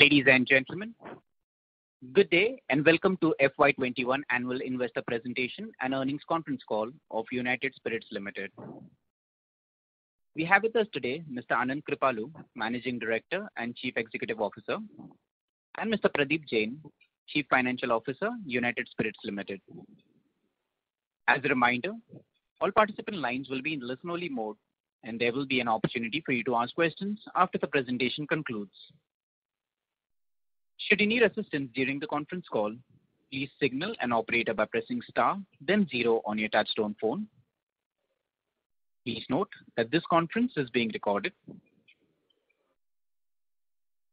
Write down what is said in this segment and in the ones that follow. Ladies and gentlemen, good day and welcome to FY 2021 annual investor presentation and earnings conference call of United Spirits Limited. We have with us today Mr. Anand Kripalu, Managing Director and Chief Executive Officer, and Mr. Pradeep Jain, Chief Financial Officer, United Spirits Limited. As a reminder, all participant lines will be in listen-only mode, and there will be an opportunity for you to ask questions after the presentation concludes. Should you need assistance during the conference call, please signal an operator by pressing star then zero on your touch-tone phone. Please note that this conference is being recorded.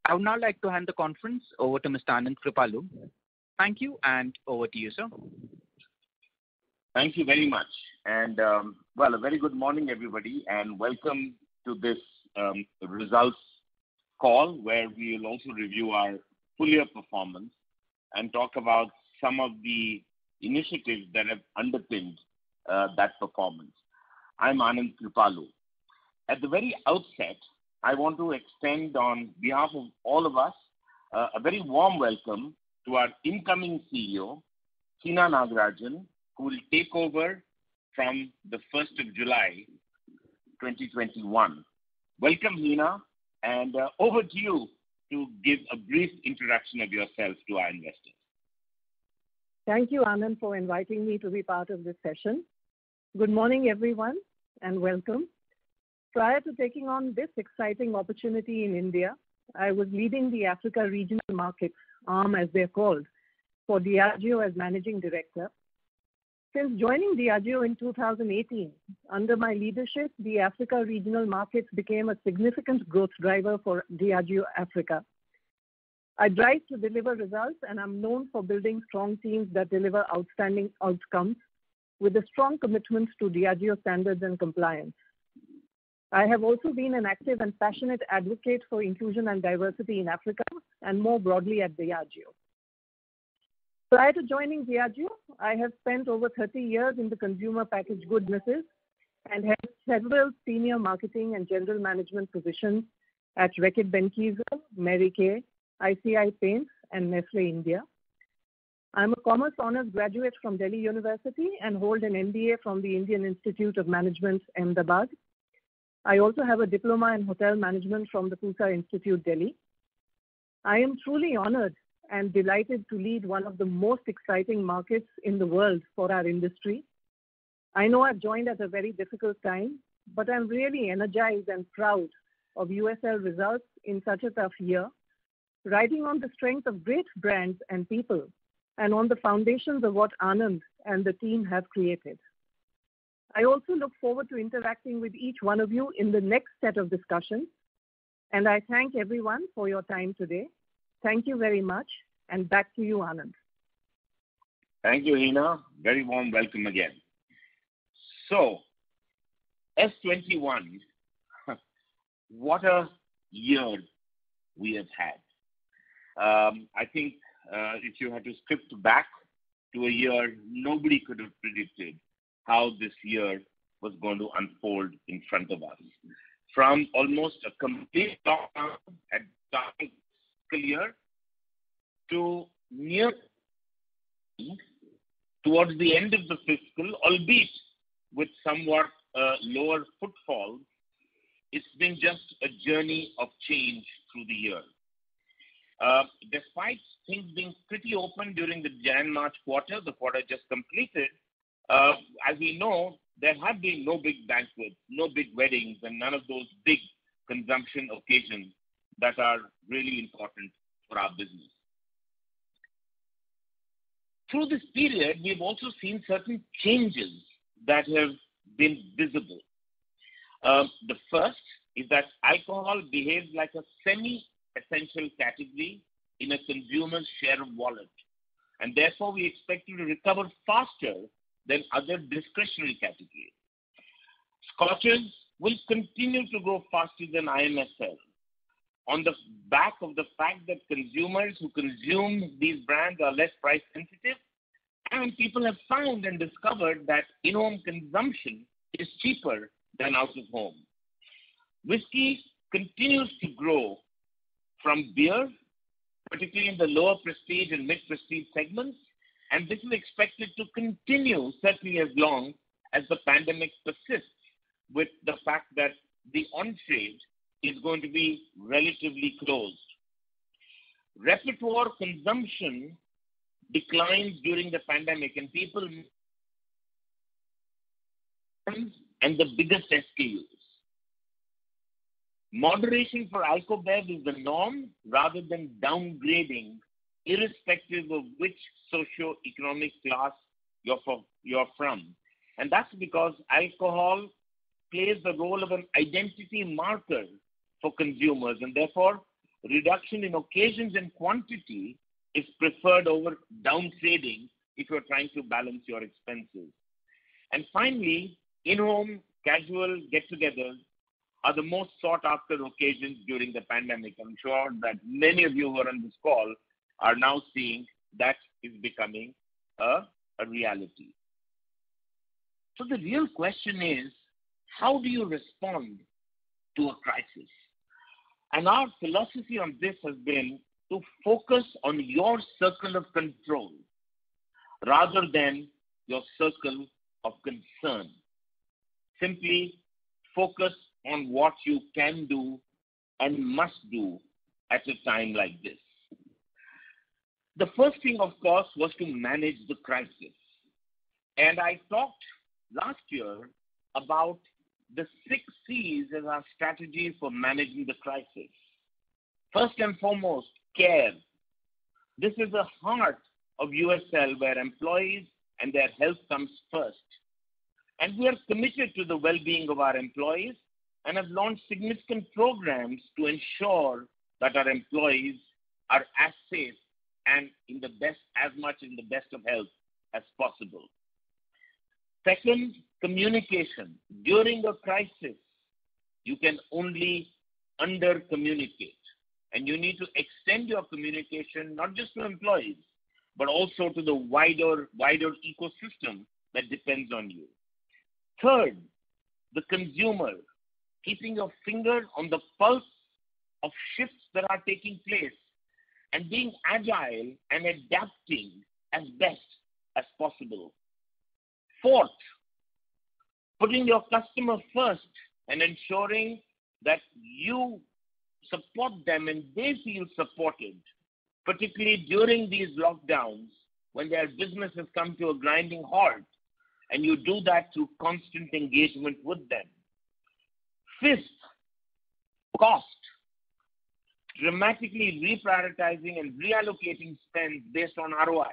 I would now like to hand the conference over to Mr. Anand Kripalu. Thank you, and over to you, sir. Thank you very much. Well, a very good morning, everybody, and welcome to this results call where we will also review our full year performance and talk about some of the initiatives that have underpinned that performance. I'm Anand Kripalu. At the very outset, I want to extend on behalf of all of us a very warm welcome to our incoming CEO, Hina Nagarajan, who will take over from July 1st, 2021. Welcome, Hina, over to you to give a brief introduction of yourself to our investors. Thank you, Anand, for inviting me to be part of this session. Good morning, everyone, and welcome. Prior to taking on this exciting opportunity in India, I was leading the Africa regional markets arm, as they are called, for Diageo as managing director. Since joining Diageo in 2018, under my leadership, the Africa regional markets became a significant growth driver for Diageo Africa. I thrive to deliver results, and I am known for building strong teams that deliver outstanding outcomes with a strong commitment to Diageo standards and compliance. I have also been an active and passionate advocate for inclusion and diversity in Africa and more broadly at Diageo. Prior to joining Diageo, I have spent over 30 years in the consumer packaged goods business and held several senior marketing and general management positions at Reckitt Benckiser, Mary Kay, ICI Paints, and Nestlé India. I'm a commerce honors graduate from Delhi University and hold an MBA from the Indian Institute of Management Ahmedabad. I also have a diploma in hotel management from the Pusa Institute, Delhi. I am truly honored and delighted to lead one of the most exciting markets in the world for our industry. I know I've joined at a very difficult time, but I'm really energized and proud of USL results in such a tough year, riding on the strength of great brands and people, and on the foundations of what Anand and the team have created. I also look forward to interacting with each one of you in the next set of discussions, and I thank everyone for your time today. Thank you very much, and back to you, Anand. Thank you, Hina. Very warm welcome again. FY 2021, what a year we have had. I think if you had to script back to a year, nobody could have predicted how this year was going to unfold in front of us. From almost a complete lockdown at the start of this year to near towards the end of the fiscal, albeit with somewhat lower footfall, it's been just a journey of change through the year. Despite things being pretty open during the January-March quarter, the quarter just completed, as we know, there have been no big banquets, no big weddings, and none of those big consumption occasions that are really important for our business. Through this period, we have also seen certain changes that have been visible. The first is that alcohol behaves like a semi-essential category in a consumer's share of wallet. Therefore, we expect it to recover faster than other discretionary categories. Scotches will continue to grow faster than IMFL on the back of the fact that consumers who consume these brands are less price sensitive. People have found and discovered that in-home consumption is cheaper than out-of-home. Whiskey continues to grow from beer, particularly in the lower prestige and mid-prestige segments. This is expected to continue certainly as long as the pandemic persists with the fact that the on-trade is going to be relatively closed. Repertoire consumption declined during the pandemic. Moderation for Alcobev is the norm rather than downgrading irrespective of which socioeconomic class you're from. That's because alcohol plays the role of an identity marker for consumers, and therefore reduction in occasions and quantity is preferred over down-trading if you're trying to balance your expenses. Finally, in-home casual get-togethers are the most sought-after occasions during the pandemic. I'm sure that many of you who are on this call are now seeing that is becoming a reality. The real question is, how do you respond to a crisis? Our philosophy on this has been to focus on your circle of control rather than your circle of concern. Simply focus on what you can do and must do at a time like this. The first thing, of course, was to manage the crisis. I talked last year about the six Cs in our strategy for managing the crisis. First and foremost, care. This is the heart of USL, where employees and their health comes first. We are committed to the wellbeing of our employees and have launched significant programs to ensure that our employees are as safe and as much in the best of health as possible. Second, communication. During a crisis, you can only under-communicate, and you need to extend your communication not just to employees, but also to the wider ecosystem that depends on you. Third, the consumer. Keeping your finger on the pulse of shifts that are taking place and being agile and adapting as best as possible. Fourth, putting your customer first and ensuring that you support them and they feel supported, particularly during these lockdowns when their business has come to a grinding halt, and you do that through constant engagement with them. Fifth, cost. Dramatically reprioritizing and reallocating spend based on ROI.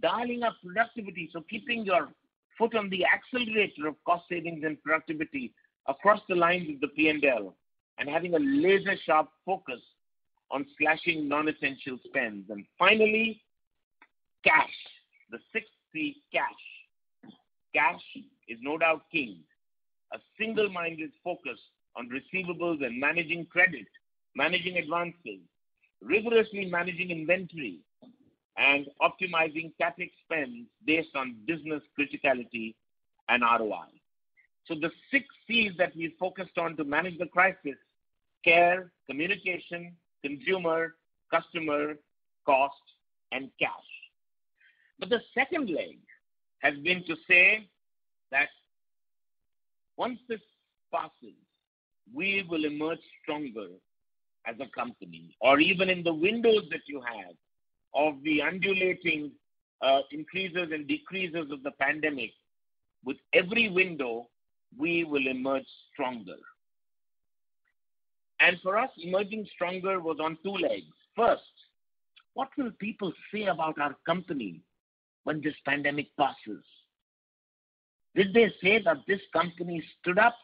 Dialing up productivity, so keeping your foot on the accelerator of cost savings and productivity across the lines of the P&L and having a laser-sharp focus on slashing non-essential spends. Finally, cash. The sixth C, cash. Cash is no doubt king. A single-minded focus on receivables and managing credit, managing advances, rigorously managing inventory, and optimizing CapEx spend based on business criticality and ROI. The six Cs that we focused on to manage the crisis: care, communication, consumer, customer, cost, and cash. The second leg has been to say that once this passes, we will emerge stronger as a company, or even in the windows that you have of the undulating increases and decreases of the pandemic. With every window, we will emerge stronger. For us, emerging stronger was on two legs. First, what will people say about our company when this pandemic passes? Did they say that this company stood up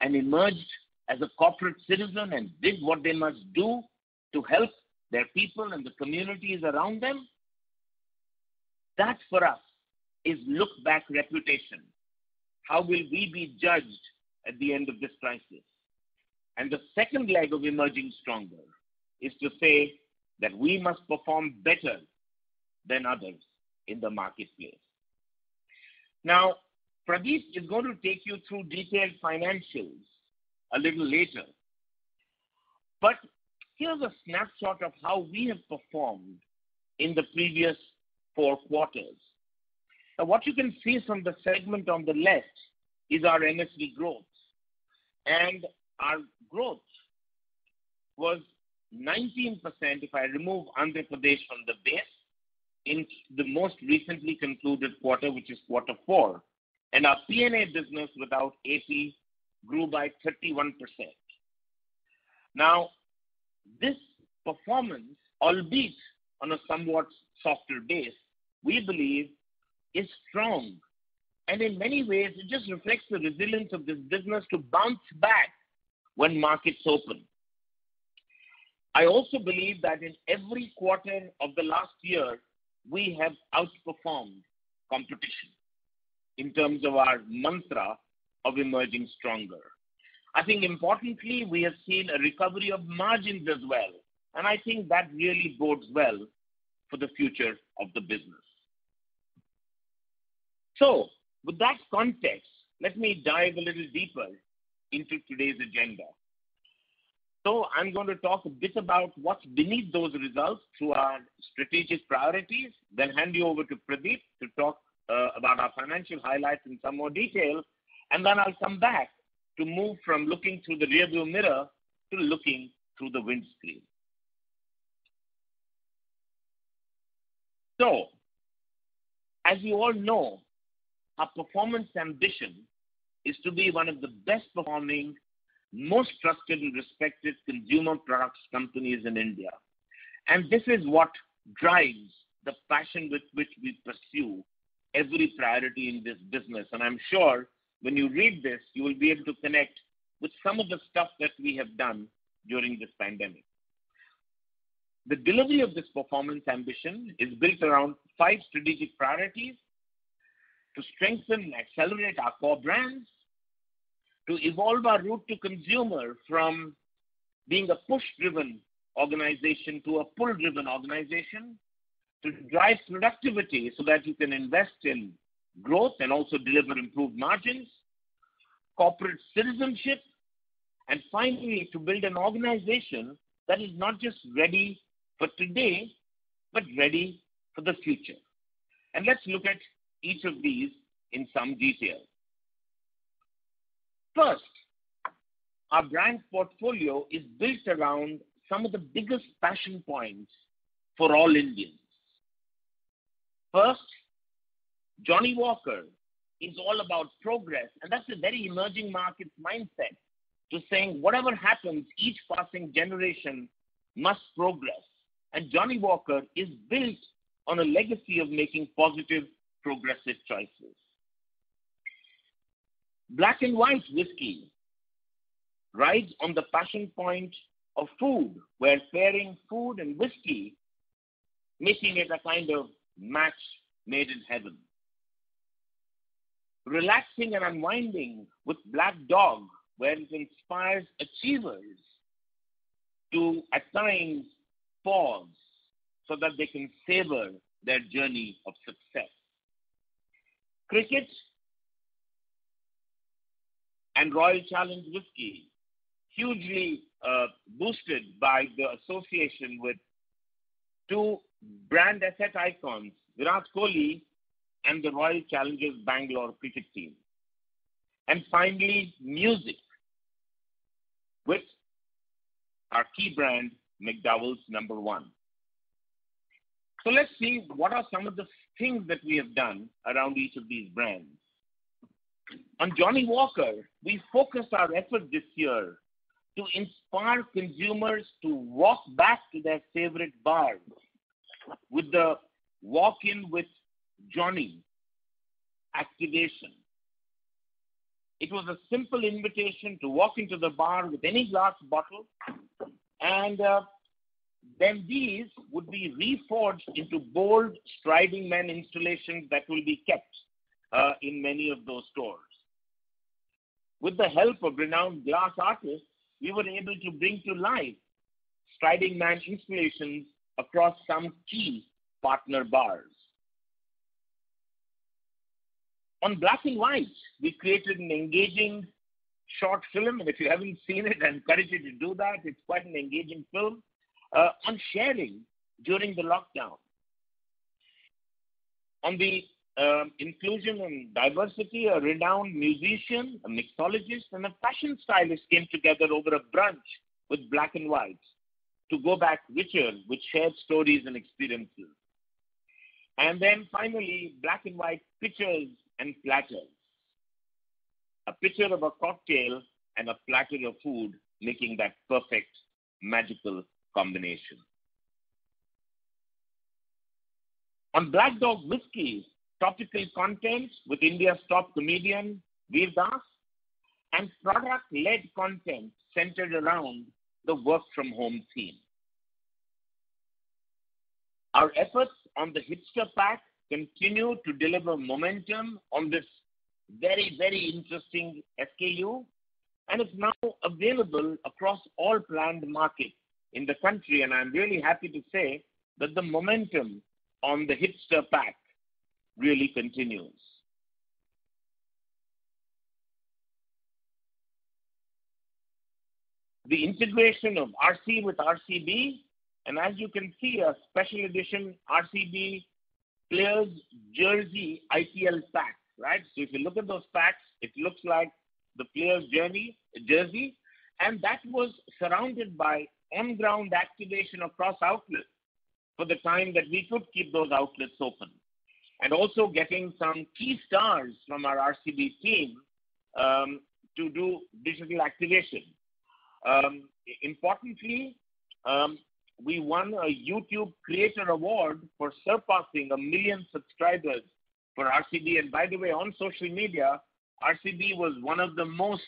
and emerged as a corporate citizen and did what they must do to help their people and the communities around them? That, for us, is look-back reputation. How will we be judged at the end of this crisis? The second leg of emerging stronger is to say that we must perform better than others in the marketplace. Pradeep is going to take you through detailed financials a little later. Here's a snapshot of how we have performed in the previous four quarters. What you can see from the segment on the left is our NSV growth. Our growth was 19%, if I remove Andhra Pradesh from the base, in the most recently concluded quarter, which is quarter four, and our P&A business without AP grew by 31%. This performance, albeit on a somewhat softer base, we believe is strong. In many ways, it just reflects the resilience of this business to bounce back when markets open. I also believe that in every quarter of the last year, we have outperformed competition in terms of our mantra of emerging stronger. I think importantly, we have seen a recovery of margins as well, and I think that really bodes well for the future of the business. With that context, let me dive a little deeper into today's agenda. I'm going to talk a bit about what's beneath those results through our strategic priorities, then hand you over to Pradeep to talk about our financial highlights in some more detail, and then I'll come back to move from looking through the rearview mirror to looking through the windscreen. As you all know, our performance ambition is to be one of the best performing, most trusted, and respected consumer products companies in India. This is what drives the passion with which we pursue every priority in this business. I'm sure when you read this, you will be able to connect with some of the stuff that we have done during this pandemic. The delivery of this performance ambition is built around five strategic priorities: to strengthen and accelerate our core brands. To evolve our route to consumer from being a push-driven organization to a pull-driven organization. To drive productivity so that you can invest in growth and also deliver improved margins, corporate citizenship, and finally, to build an organization that is not just ready for today, but ready for the future. Let's look at each of these in some detail. First, our brand portfolio is built around some of the biggest passion points for all Indians. First, Johnnie Walker is all about progress, and that's a very emerging market mindset to saying whatever happens, each passing generation must progress. Johnnie Walker is built on a legacy of making positive, progressive choices. Black & White whisky rides on the passion point of food, where pairing food and whisky, making it a kind of match made in heaven. Relaxing and unwinding with Black Dog, where it inspires achievers to at times pause so that they can savor their journey of success. Cricket and Royal Challenge whisky, hugely boosted by the association with two brand asset icons, Virat Kohli and the Royal Challengers Bangalore cricket team. Finally, music with our key brand, McDowell's No.1. Let's see what are some of the things that we have done around each of these brands. On Johnnie Walker, we focused our effort this year to inspire consumers to walk back to their favorite bars with the Walk In With Johnnie activation. It was a simple invitation to walk into the bar with any glass bottle, and then these would be reforged into bold Striding Man installations that will be kept in many of those stores. With the help of renowned glass artists, we were able to bring to life Striding Man installations across some key partner bars. On Black & White, we created an engaging short film, and if you haven't seen it, I encourage you to do that. It's quite an engaging film on sharing during the lockdown. On the inclusion and diversity, a renowned musician, a mixologist, and a fashion stylist came together over a brunch with Black & White to go back richer with shared stories and experiences. Finally, Black & White Pictures and Platters. A picture of a cocktail and a platter of food making that perfect, magical combination. On Black Dog whiskey, topical content with India's top comedian, Vir Das, and product-led content centered around the work from home theme. Our efforts on the Hipster pack continue to deliver momentum on this very interesting SKU, and it's now available across all planned markets in the country. I'm really happy to say that the momentum on the Hipster pack really continues. The integration of RC with RCB, as you can see, a special edition RCB player's jersey IPL pack. If you look at those packs, it looks like the player's jersey. That was surrounded by on-ground activation across outlets for the time that we could keep those outlets open. Also getting some key stars from our RCB team to do digital activation. Importantly, we won a YouTube Creator Award for surpassing a million subscribers for RCB. By the way, on social media, RCB was one of the most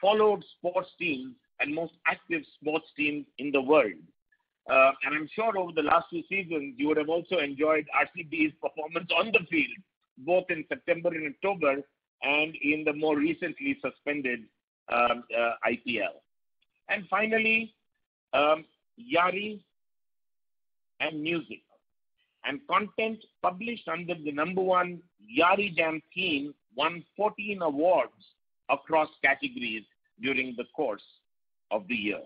followed sports teams and most active sports teams in the world. I'm sure over the last few seasons, you would have also enjoyed RCB's performance on the field, both in September and October and in the more recently suspended IPL. Finally, Yaari and music and content published under the No.1 Yaari Jam theme won 14 awards across categories during the course of the year.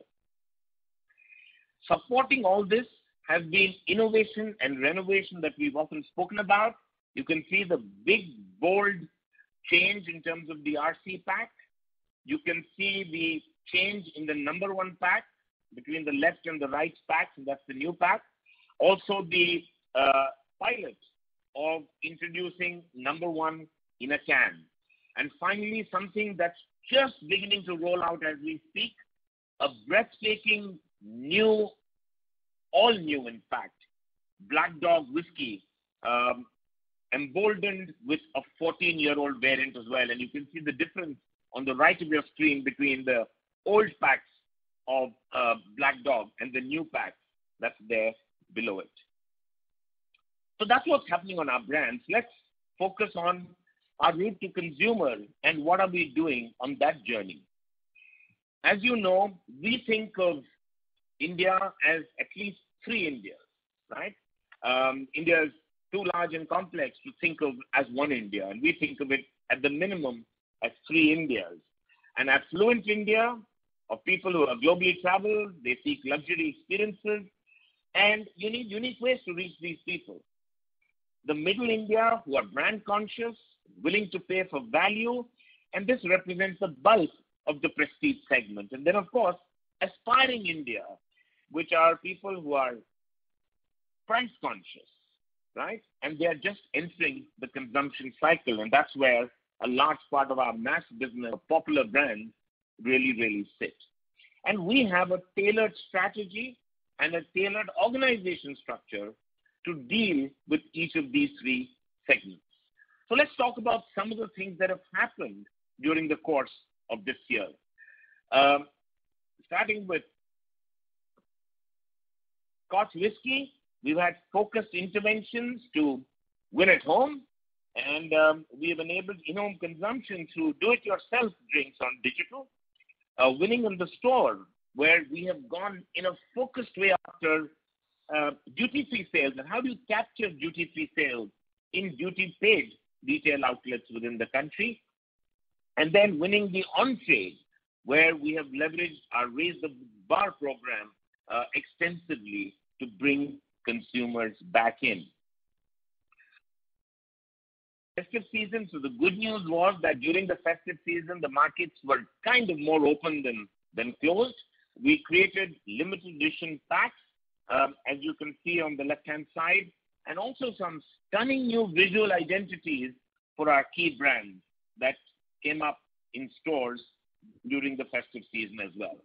Supporting all this has been innovation and renovation that we've often spoken about. You can see the big, bold change in terms of the RC pack. You can see the change in the No.1 pack between the left and the right pack. That's the new pack. Also the pilot of introducing No.1 in a can. Finally, something that's just beginning to roll out as we speak, a breathtaking new, all new in fact, Black Dog whiskey, emboldened with a 14-year-old variant as well. You can see the difference on the right of your screen between the old packs of Black Dog and the new pack that's there below it. That's what's happening on our brands. Let's focus on our route to consumer and what are we doing on that journey. As you know, we think of India as at least three Indias. India is too large and complex to think of as one India, and we think of it at the minimum as three Indias. An affluent India of people who have globally traveled, they seek luxury experiences, and you need unique ways to reach these people. The middle India, who are brand conscious, willing to pay for value, and this represents the bulk of the prestige segment. Then, of course, aspiring India, which are people who are price conscious. They're just entering the consumption cycle, and that's where a large part of our mass business, popular brands really sit. We have a tailored strategy and a tailored organization structure to deal with each of these three segments. Let's talk about some of the things that have happened during the course of this year. Starting with Scotch whisky, we've had focused interventions to win at home, and we have enabled in-home consumption through do-it-yourself drinks on digital. Winning in the store, where we have gone in a focused way after duty-free sales and how do you capture duty-free sales in duty paid retail outlets within the country. Winning the on-trade, where we have leveraged our Raise the Bar program extensively to bring consumers back in. Festive season, the good news was that during the festive season, the markets were kind of more open than closed. We created limited edition packs, as you can see on the left-hand side, and also some stunning new visual identities for our key brands that came up in stores during the festive season as well.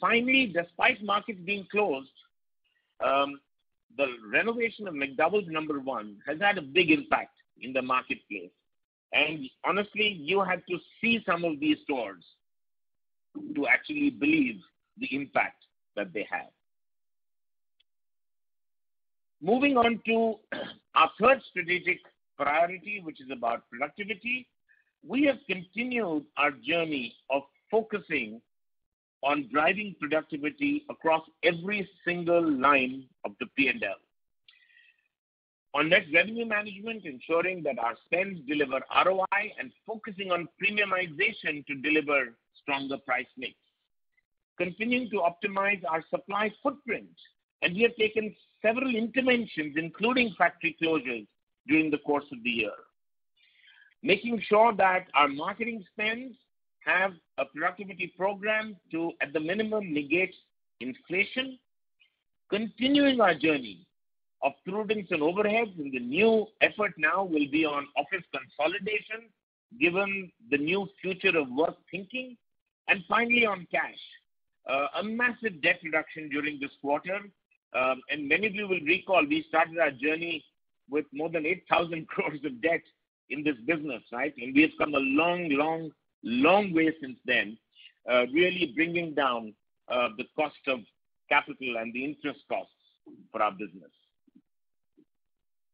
Finally, despite markets being closed, the renovation of McDowell's No.1 has had a big impact in the marketplace. Honestly, you have to see some of these stores to actually believe the impact that they had. Moving on to our third strategic priority, which is about productivity. We have continued our journey of focusing on driving productivity across every single line of the P&L. On net revenue management, ensuring that our spends deliver ROI and focusing on premiumization to deliver stronger price mix. Continuing to optimize our supply footprint, and we have taken several interventions, including factory closures, during the course of the year. Making sure that our marketing spends have a productivity program to, at the minimum, negate inflation. Continuing our journey of prudence on overheads, and the new effort now will be on office consolidation given the new future of work thinking. Finally, on cash. A massive debt reduction during this quarter. Many of you will recall we started our journey with more than 8,000 crores of debt in this business. We have come a long, long, long way since then, really bringing down the cost of capital and the interest costs for our business.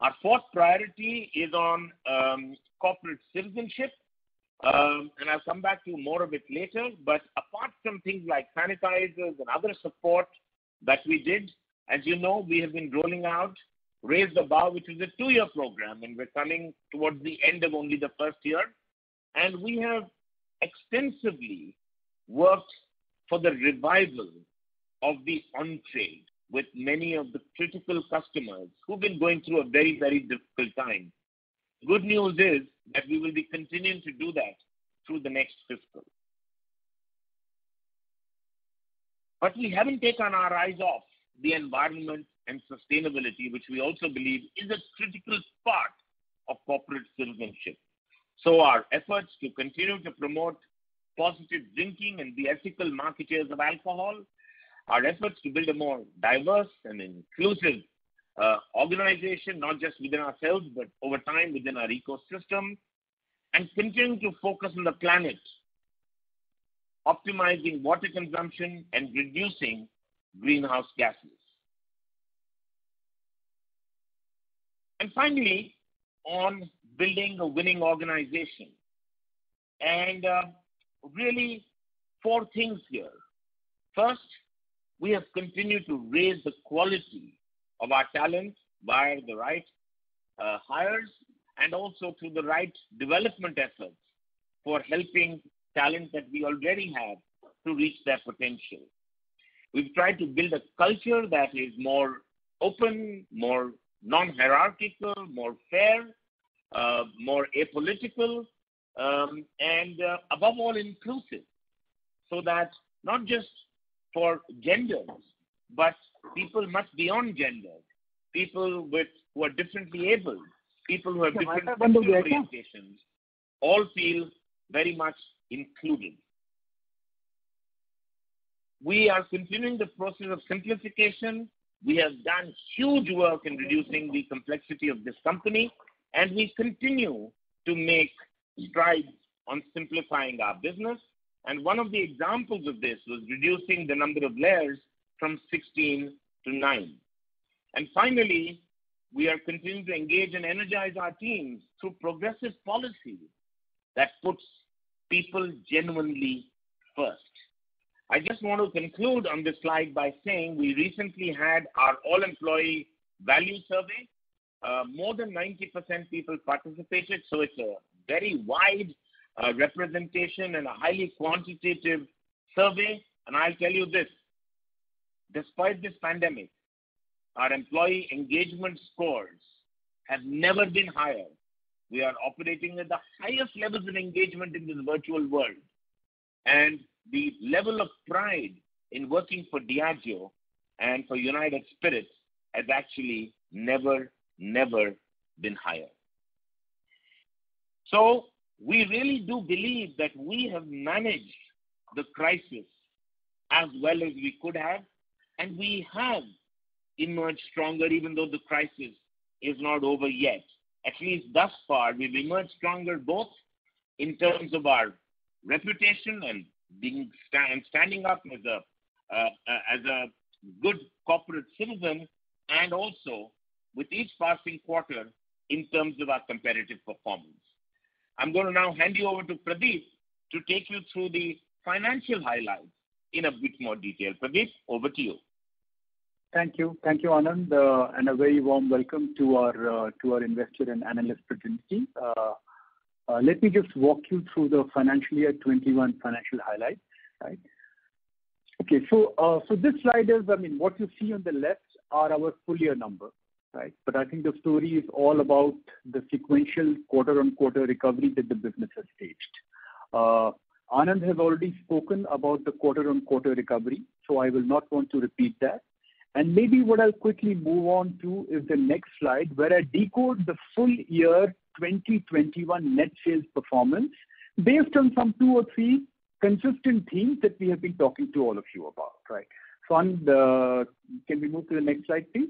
Our fourth priority is on corporate citizenship, and I'll come back to more of it later. Apart from things like sanitizers and other support that we did, as you know, we have been rolling out Raise the Bar, which is a two-year program, and we're coming towards the end of only the first year. We have extensively worked for the revival of the on-trade with many of the critical customers who've been going through a very, very difficult time. The good news is that we will be continuing to do that through the next fiscal. We haven't taken our eyes off the environment and sustainability, which we also believe is a critical part of corporate citizenship. Our efforts to continue to promote positive drinking and the ethical marketing of alcohol, our efforts to build a more diverse and inclusive organization, not just within ourselves, but over time within our ecosystem, and continue to focus on the planet, optimizing water consumption and reducing greenhouse gases. Finally, on building a winning organization. Really four things here. First, we have continued to raise the quality of our talent via the right hires and also through the right development efforts for helping talent that we already have to reach their potential. We've tried to build a culture that is more open, more non-hierarchical, more fair, more apolitical, and above all, inclusive. That not just for genders, but people much beyond gender, people who are differently abled, people who have different sexual orientations, all feel very much included. We are continuing the process of simplification. We have done huge work in reducing the complexity of this company, and we continue to make strides on simplifying our business. One of the examples of this was reducing the number of layers from 16 to nine. Finally, we are continuing to engage and energize our teams through progressive policy that puts people genuinely first. I just want to conclude on this slide by saying we recently had our all employee value survey. More than 90% people participated, so it's a very wide representation and a highly quantitative survey. I'll tell you this, despite this pandemic, our employee engagement scores have never been higher. We are operating at the highest levels of engagement in this virtual world, and the level of pride in working for Diageo and for United Spirits has actually never been higher. We really do believe that we have managed the crisis as well as we could have, and we have emerged stronger, even though the crisis is not over yet. At least thus far, we've emerged stronger, both in terms of our reputation and standing up as a good corporate citizen and also with each passing quarter in terms of our competitive performance. I'm going to now hand you over to Pradeep to take you through the financial highlights in a bit more detail. Pradeep, over to you. Thank you. Thank you, Anand, and a very warm welcome to our investor and analyst community. Let me just walk you through the financial year 2021 financial highlights. Right. Okay, this slide is, what you see on the left are our full year numbers. Right? I think the story is all about the sequential quarter-on-quarter recovery that the business has staged. Anand has already spoken about the quarter-on-quarter recovery. I will not want to repeat that. Maybe what I'll quickly move on to is the next slide, where I decode the full year 2021 net sales performance based on some two or three consistent themes that we have been talking to all of you about. Right. Can we move to the next slide, please?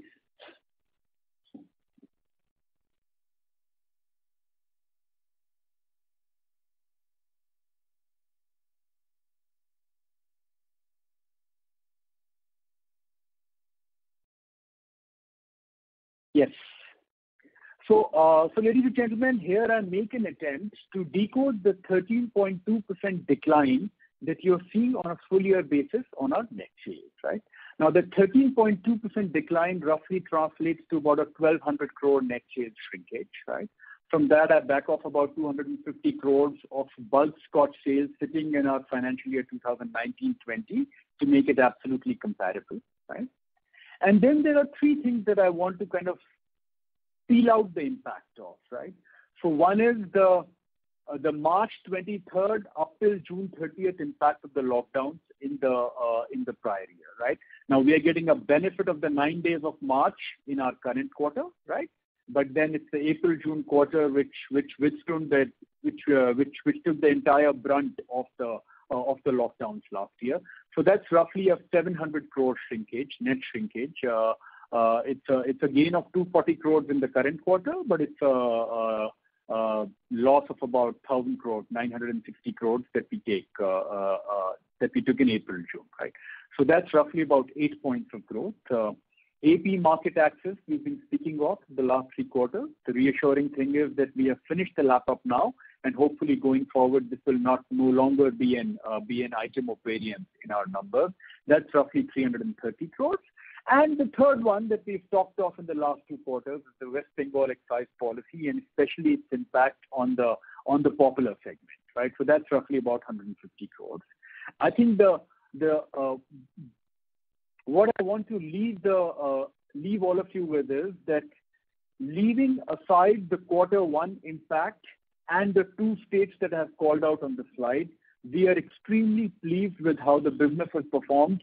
Yes. Ladies and gentlemen, here I make an attempt to decode the 13.2% decline that you're seeing on a full year basis on our net sales. Right? The 13.2% decline roughly translates to about a 1,200 crore net sales shrinkage. Right? From that, I back off about 250 crores of bulk Scotch sales sitting in our financial year 2019/2020 to make it absolutely comparable. Right? There are three things that I want to kind of seal out the impact of. Right? One is the March 23rd up till June 30th impact of the lockdowns in the prior year. Right? We are getting a benefit of the nine days of March in our current quarter. Right? It's the April June quarter, which took the entire brunt of the lockdowns last year. That's roughly a 700 crore shrinkage, net shrinkage. It's a gain of 240 crores in the current quarter, it's a loss of about 1,000 crores, 960 crores that we took in April, June. Right? That's roughly about eight points of growth. AP market access we've been speaking of for the last three quarters. The reassuring thing is that we have finished the lap up now, and hopefully going forward, this will no longer be an item of variance in our numbers. That's roughly 330 crores. The third one that we've talked of in the last two quarters is the West Bengal excise policy, and especially its impact on the popular segment. Right? That's roughly about 150 crores. I think what I want to leave all of you with is that leaving aside the quarter one impact and the two stages that I've called out on the slide, we are extremely pleased with how the business has performed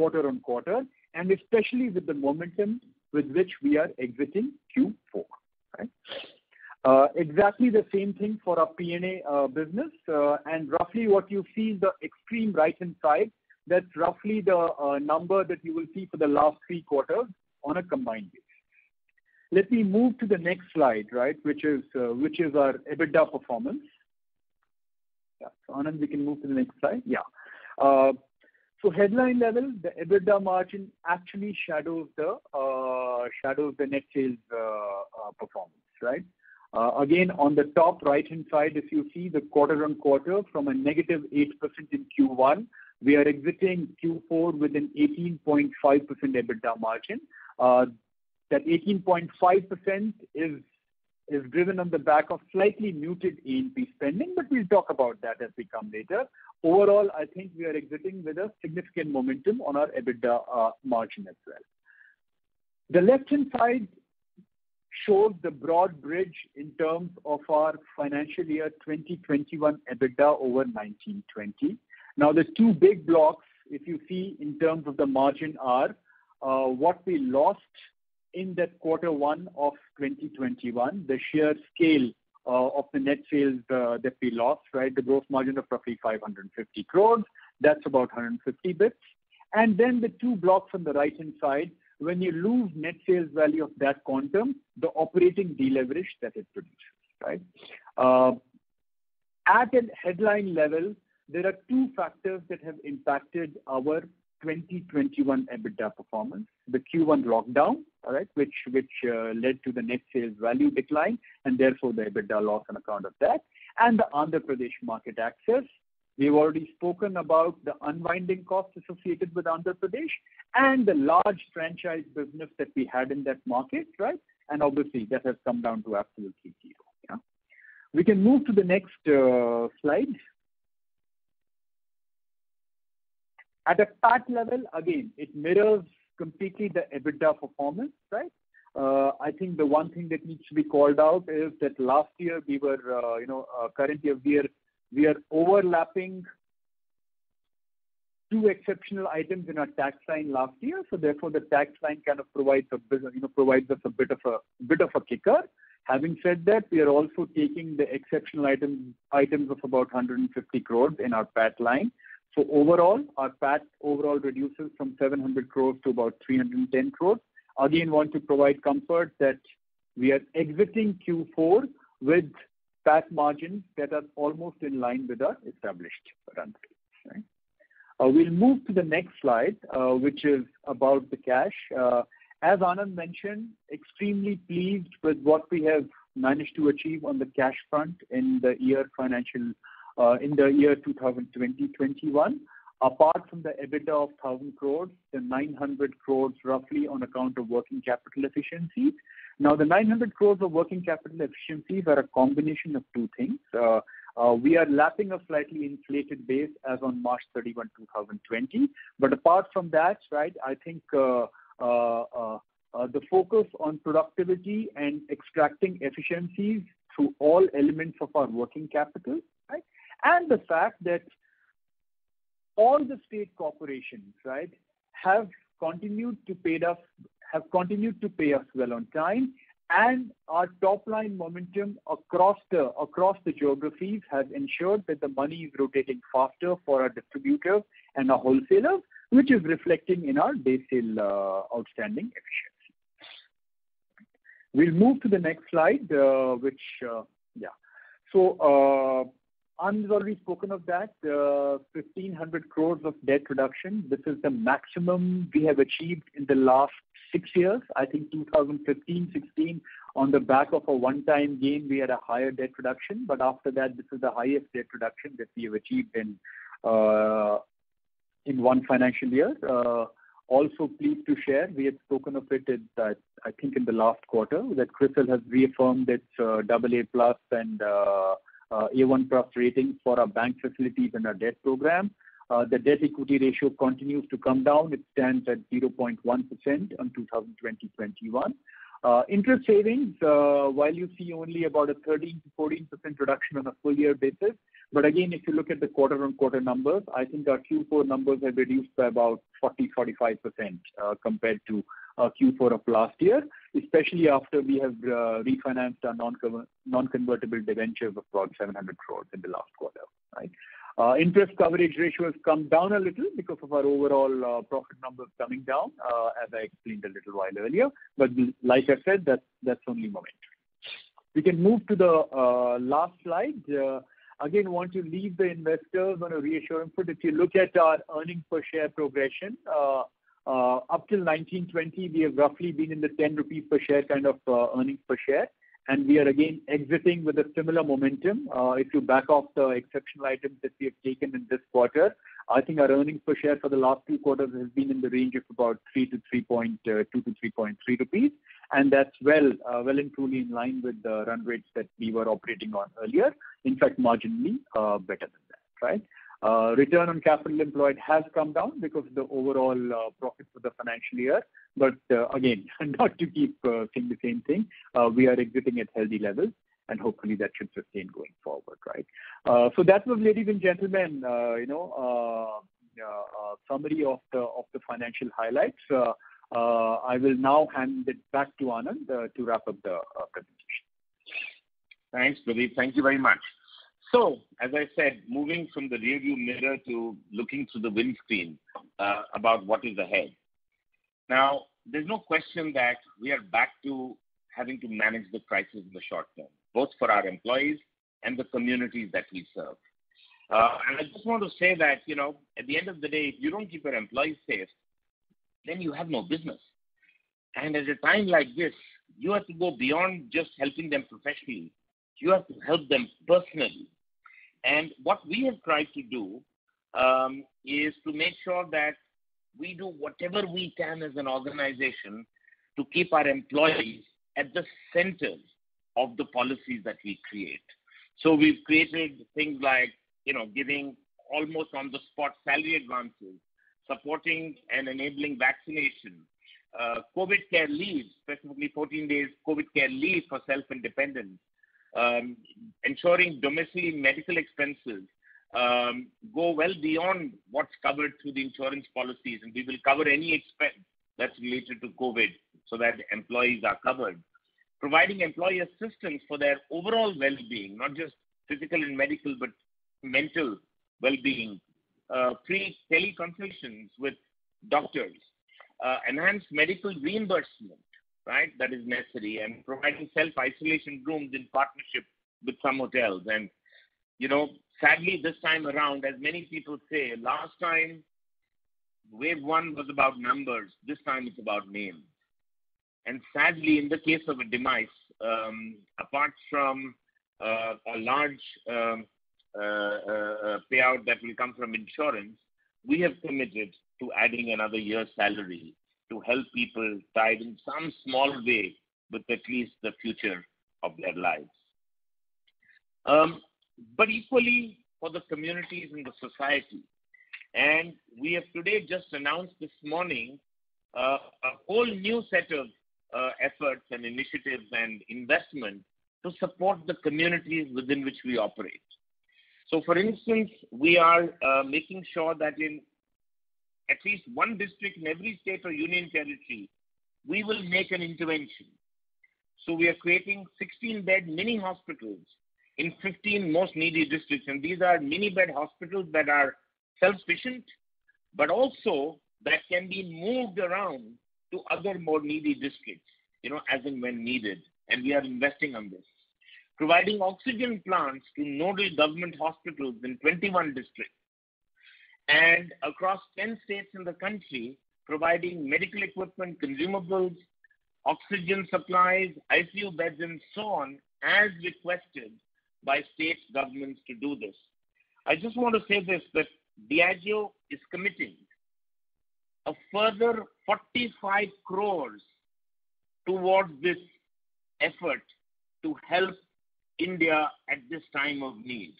quarter-on-quarter, and especially with the momentum with which we are exiting Q4. Right? Exactly the same thing for our P&A business. Roughly what you see is the extreme right-hand side, that's roughly the number that you will see for the last three quarters on a combined basis. Let me move to the next slide, right, which is our EBITDA performance. Yeah. Anand, we can move to the next slide. Yeah. Headline level, the EBITDA margin actually shadows the net sales performance. Right? Again, on the top right-hand side, if you see the quarter-on-quarter from a -8% in Q1, we are exiting Q4 with an 18.5% EBITDA margin. That 18.5% is driven on the back of slightly muted A&P spending. We'll talk about that as we come later. Overall, I think we are exiting with a significant momentum on our EBITDA margin as well. The left-hand side shows the broad bridge in terms of our financial year 2021 EBITDA over 2019/2020. The two big blocks, if you see in terms of the margin are what we lost in that quarter one of 2021, the sheer scale of the net sales that we lost. Right? The gross margin of roughly 550 crores. That's about 150 basis points. The two blocks on the right-hand side, when you lose net sales value of that quantum, the operating deleverage that it produces. At a headline level, there are two factors that have impacted our 2021 EBITDA performance. The Q1 lockdown which led to the net sales value decline, and therefore the EBITDA loss on account of that, and the Andhra Pradesh market access. We've already spoken about the unwinding costs associated with Andhra Pradesh and the large franchise business that we had in that market. Obviously that has come down to absolutely zero. We can move to the next slide. At a PAT level, again, it mirrors completely the EBITDA performance. I think the one thing that needs to be called out is that last year we were currently overlapping two exceptional items in our tax line last year, therefore the tax line kind of provides us a bit of a kicker. Having said that, we are also taking the exceptional items of about 150 crores in our PAT line. Overall, our PAT overall reduces from 700 crores to about 310 crores. Again, want to provide comfort that we are exiting Q4 with PAT margins that are almost in line with our established run rates. We'll move to the next slide, which is about the cash. As Anand mentioned, extremely pleased with what we have managed to achieve on the cash front in the year 2020-2021. Apart from the EBITDA of 1,000 crores, the 900 crores roughly on account of working capital efficiency. The 900 crores of working capital efficiency were a combination of two things. We are lapping a slightly inflated base as on March 31, 2020. Apart from that, I think the focus on productivity and extracting efficiencies through all elements of our working capital, and the fact that all the state corporations have continued to pay us well on time, and our top-line momentum across the geographies has ensured that the money is rotating faster for our distributors and our wholesalers, which is reflecting in our day sale outstanding efficiency. We'll move to the next slide. Anand's already spoken of that, 1,500 crores of debt reduction. This is the maximum we have achieved in the last six years. I think 2015, 2016, on the back of a one-time gain, we had a higher debt reduction. After that, this is the highest debt reduction that we have achieved in one financial year. Also pleased to share, we had spoken of it, I think in the last quarter, that CRISIL has reaffirmed its AA+ and A1+ credit rating for our bank facilities and our debt program. The debt equity ratio continues to come down. It stands at 0.1% on 2020-2021. Interest savings, while you see only about a 13%-14% reduction on a full-year basis, again, if you look at the quarter-on-quarter numbers, I think our Q4 numbers have reduced by about 40%, 45% compared to Q4 of last year, especially after we have refinanced our non-convertible debentures of about 700 crores in the last quarter. Interest coverage ratio has come down a little because of our overall profit numbers coming down, as I explained a little while earlier. Like I said, that's only momentary. We can move to the last slide. Again, want to leave the investors on a reassuring foot. If you look at our earnings per share progression, up till 2019-2020, we have roughly been in the 10 rupees per share kind of earnings per share, and we are again exiting with a similar momentum. If you back off the exceptional items that we have taken in this quarter, I think our earnings per share for the last three quarters has been in the range of about 2-3.3 rupees, and that's well and truly in line with the run rates that we were operating on earlier. In fact, marginally better than that. Return on capital employed has come down because of the overall profit for the financial year. Again, not to keep saying the same thing, we are exiting at healthy levels, and hopefully that should sustain going forward. That was, ladies and gentlemen, a summary of the financial highlights. I will now hand it back to Anand to wrap up the presentation. Thanks, Pradeep. Thank you very much. As I said, moving from the rearview mirror to looking through the windscreen about what is ahead. There's no question that we are back to having to manage the crisis in the short term, both for our employees and the communities that we serve. I just want to say that at the end of the day, if you don't keep your employees safe, then you have no business. At a time like this, you have to go beyond just helping them professionally. You have to help them personally. What we have tried to do is to make sure that we do whatever we can as an organization to keep our employees at the center of the policies that we create. We've created things like giving almost on-the-spot salary advances, supporting and enabling vaccination, COVID care leaves, specifically 14 days COVID care leave for self-independence, ensuring domestic medical expenses go well beyond what's covered through the insurance policies. We will cover any expense that's related to COVID so that employees are covered. Providing employee assistance for their overall wellbeing, not just physical and medical, but mental wellbeing. Free teleconsultations with doctors. Enhanced medical reimbursement, that is necessary. Providing self-isolation rooms in partnership with some hotels. Sadly, this time around, as many people say, last time wave one was about numbers, this time it's about names. Sadly, in the case of a demise, apart from a large payout that will come from insurance, we have committed to adding another year's salary to help people tied in some small way with at least the future of their lives. Equally, for the communities and the society. We have today just announced this morning, a whole new set of efforts and initiatives and investment to support the communities within which we operate. For instance, we are making sure that in at least one district in every state or union territory, we will make an intervention. We are creating 16-bed mini hospitals in 15 most needy districts, and these are mini-bed hospitals that are self-sufficient, but also that can be moved around to other more needy districts, as and when needed. We are investing in this. Providing oxygen plants in no-cost government hospitals in 21 districts. Across 10 states in the country, providing medical equipment, consumables, oxygen supplies, ICU beds, and so on, as requested by state governments to do this. I just want to say this, that Diageo is committing a further 45 crores towards this effort to help India at this time of need.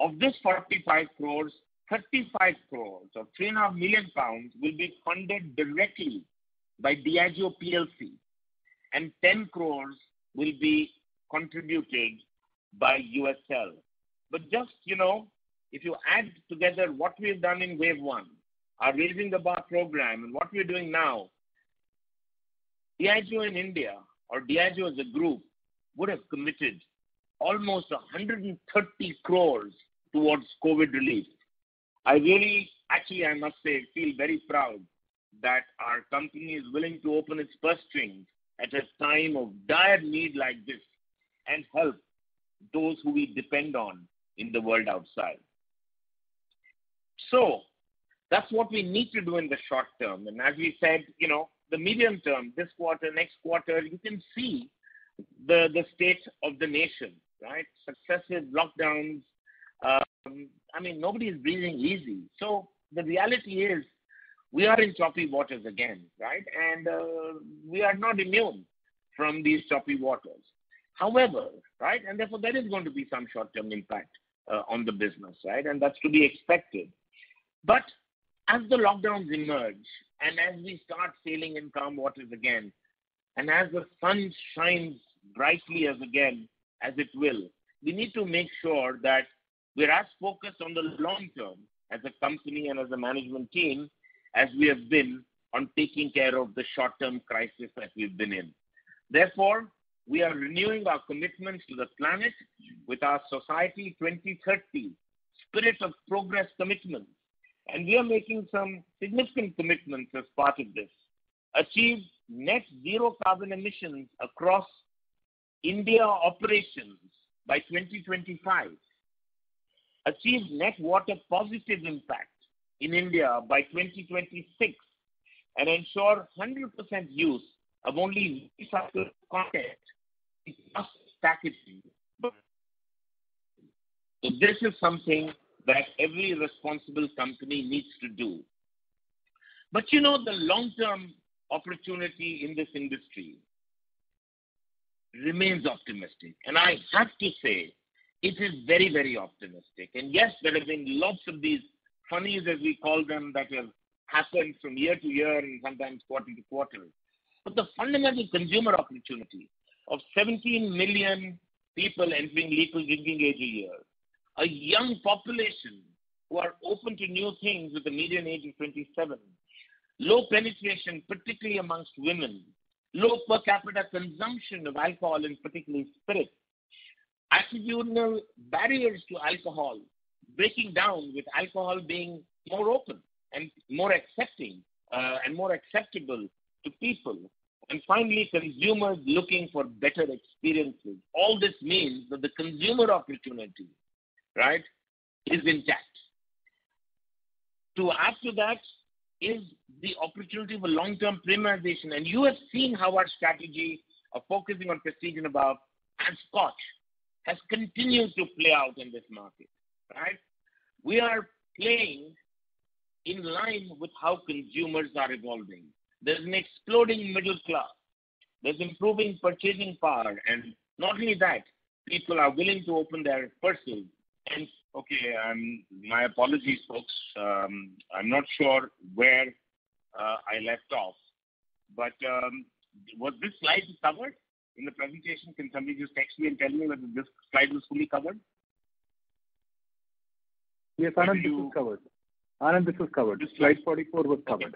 Of this 45 crores, 35 crores or 3.5 million pounds will be funded directly by Diageo PLC, and 10 crores will be contributed by USL. Just if you add together what we've done in wave one, our Raising the Bar program and what we're doing now, Diageo in India or Diageo as a group would have committed almost 130 crores towards COVID relief. Actually, I must say, I feel very proud that our company is willing to open its purse strings at a time of dire need like this and help those who we depend on in the world outside. That's what we need to do in the short term. As we said, the medium term, this quarter, next quarter, you can see the state of the nation. Successive lockdowns. Nobody's breathing easy. The reality is we are in choppy waters again. We are not immune from these choppy waters. However, therefore there is going to be some short-term impact on the business. That's to be expected. As the lockdowns emerge, as we start sailing in calm waters again, as the sun shines brightly again, as it will, we need to make sure that we're as focused on the long term as a company and as a management team, as we have been on taking care of the short-term crisis that we've been in. Therefore, we are renewing our commitment to the planet with our Society 2030 Spirit of Progress commitment, we are making some significant commitments as part of this. Achieve net zero carbon emissions across India operations by 2025. Achieve net water positive impact in India by 2026, and ensure 100% use of only recycled or composted plastic packaging. This is something that every responsible company needs to do. The long-term opportunity in this industry remains optimistic. I have to say it is very optimistic. Yes, there have been lots of these funnies, as we call them, that have happened from year to year and sometimes quarter to quarter. The fundamental consumer opportunity of 17 million people entering legal drinking age a year, a young population who are open to new things with a median age of 27, low penetration, particularly amongst women, low per capita consumption of alcohol, and particularly spirits. Attitudinal barriers to alcohol breaking down with alcohol being more open and more accepting and more acceptable to people. Finally, consumers looking for better experiences. All this means that the consumer opportunity is intact. After that is the opportunity for long-term premiumization, and you have seen how our strategy of focusing on prestige and above and Scotch has continued to play out in this market. We are playing in line with how consumers are evolving. There's an exploding middle class. There's improving purchasing power. Not only that, people are willing to open their purses and Okay. My apologies, folks. I'm not sure where I left off, but was this slide covered in the presentation? Can somebody just text me and tell me whether this slide was fully covered? Yes, Anand, this was covered. Slide 44 was covered.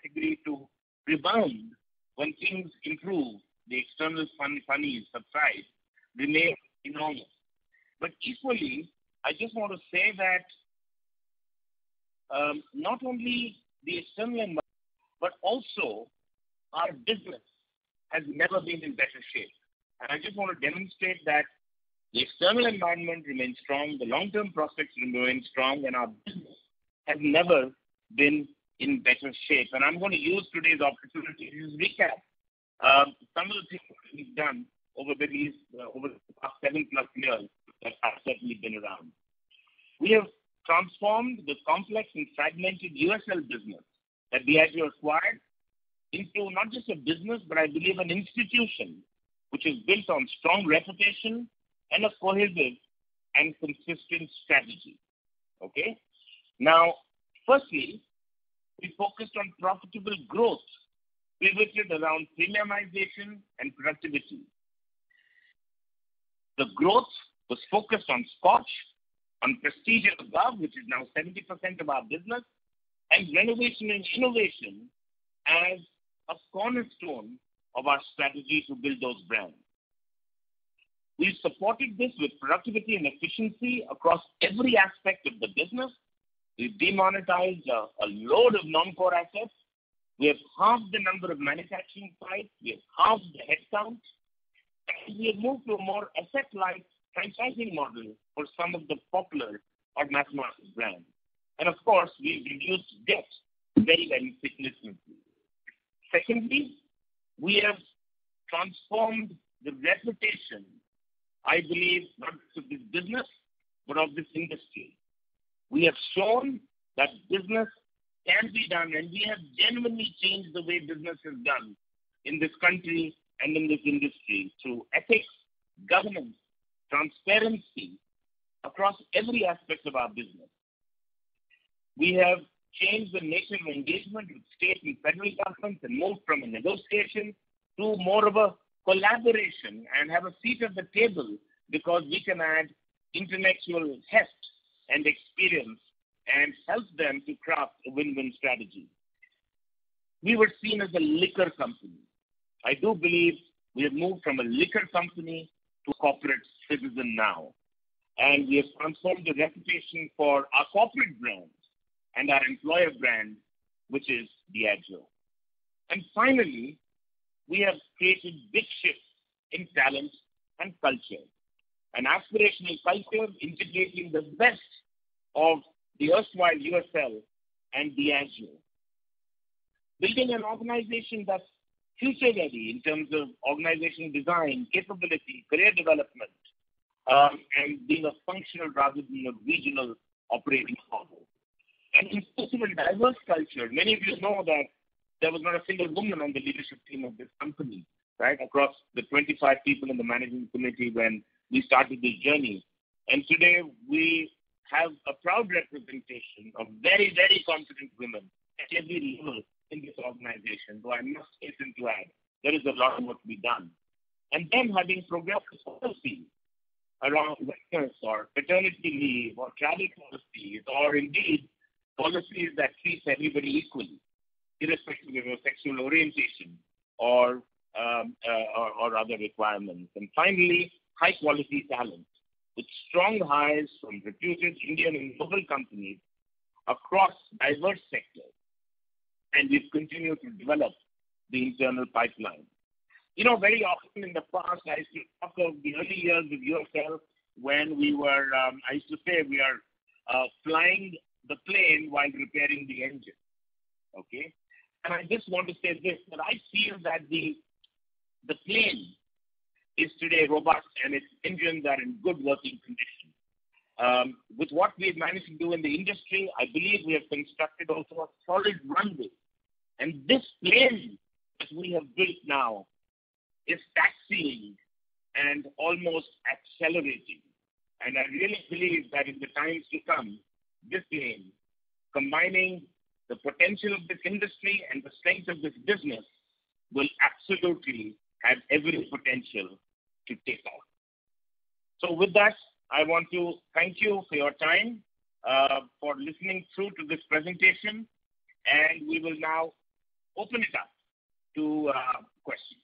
Okay. Slide 44 was covered. Okay. Folks, I just want to say that the deliver opportunity, the premiumization plan is a collective category to rebound when things improve, the external funding surprise remains enormous. Equally, I just want to say that, not only the external environment, but also our business has never been in better shape. I just want to demonstrate that the external environment remains strong, the long-term prospects remain strong, and our business has never been in better shape. I'm going to use today's opportunity to recap some of the things that we've done over the past 7+ years that I've certainly been around. We have transformed the complex and fragmented USL business that Diageo acquired into not just a business, but I believe an institution, which is built on strong reputation and a cohesive and consistent strategy. Okay. Firstly, we focused on profitable growth pivoted around premiumization and productivity. The growth was focused on Scotch, on P&A, which is now 70% of our business, and renovation and innovation as a cornerstone of our strategy to build those brands. We supported this with productivity and efficiency across every aspect of the business. We demonetized a load of non-core assets. We have halved the number of manufacturing sites, we have halved the headcount, we have moved to a more asset-light franchising model for some of the popular or macroeconomic brands. Of course, we reduced debt very, very significantly. Secondly, we have transformed the reputation, I believe, not of this business, but of this industry. We have shown that business can be done, and we have genuinely changed the way business is done in this country and in this industry through ethics, governance, transparency, across every aspect of our business. We have changed the nature of engagement with state and federal governments and moved from a negotiation to more of a collaboration and have a seat at the table because we can add intellectual heft and experience and help them to craft a win-win strategy. We were seen as a liquor company. I do believe we have moved from a liquor company to a corporate citizen now, and we have transformed the reputation for our corporate brand and our employer brand, which is Diageo. Finally, we have created big shifts in talent and culture, an aspirational culture integrating the best of the erstwhile USL and Diageo. Building an organization that's future-ready in terms of organization design, capability, career development, and being a functional rather than a regional operating model. Importantly, diverse culture. Many of you know that there was not a single woman on the leadership team of this company, right, across the 25 people in the management committee when we started this journey. Today we have a proud representation of very, very confident women, actually leaders in this organization, though I must hasten to add there is a lot of work to be done. Then having progressive policies around matters for paternity leave or charity policies or indeed policies that treat everybody equally irrespective of your sexual orientation or other requirements. Finally, high-quality talent with strong hires from reputed Indian and global companies across diverse sectors. We continue to develop the internal pipeline. Very often in the past, I used to talk of the early years with USL when I used to say we are flying the plane while repairing the engine. Okay. I just want to say this, that I feel that the plane is today robust, and its engines are in good working condition. With what we've managed to do in the industry, I believe we have constructed also a solid runway. This plane that we have built now is taxiing and almost accelerating. I really believe that in the times to come, this plane, combining the potential of this industry and the strength of this business, will absolutely have every potential to take off. With that, I want to thank you for your time, for listening through to this presentation, and we will now open it up to questions.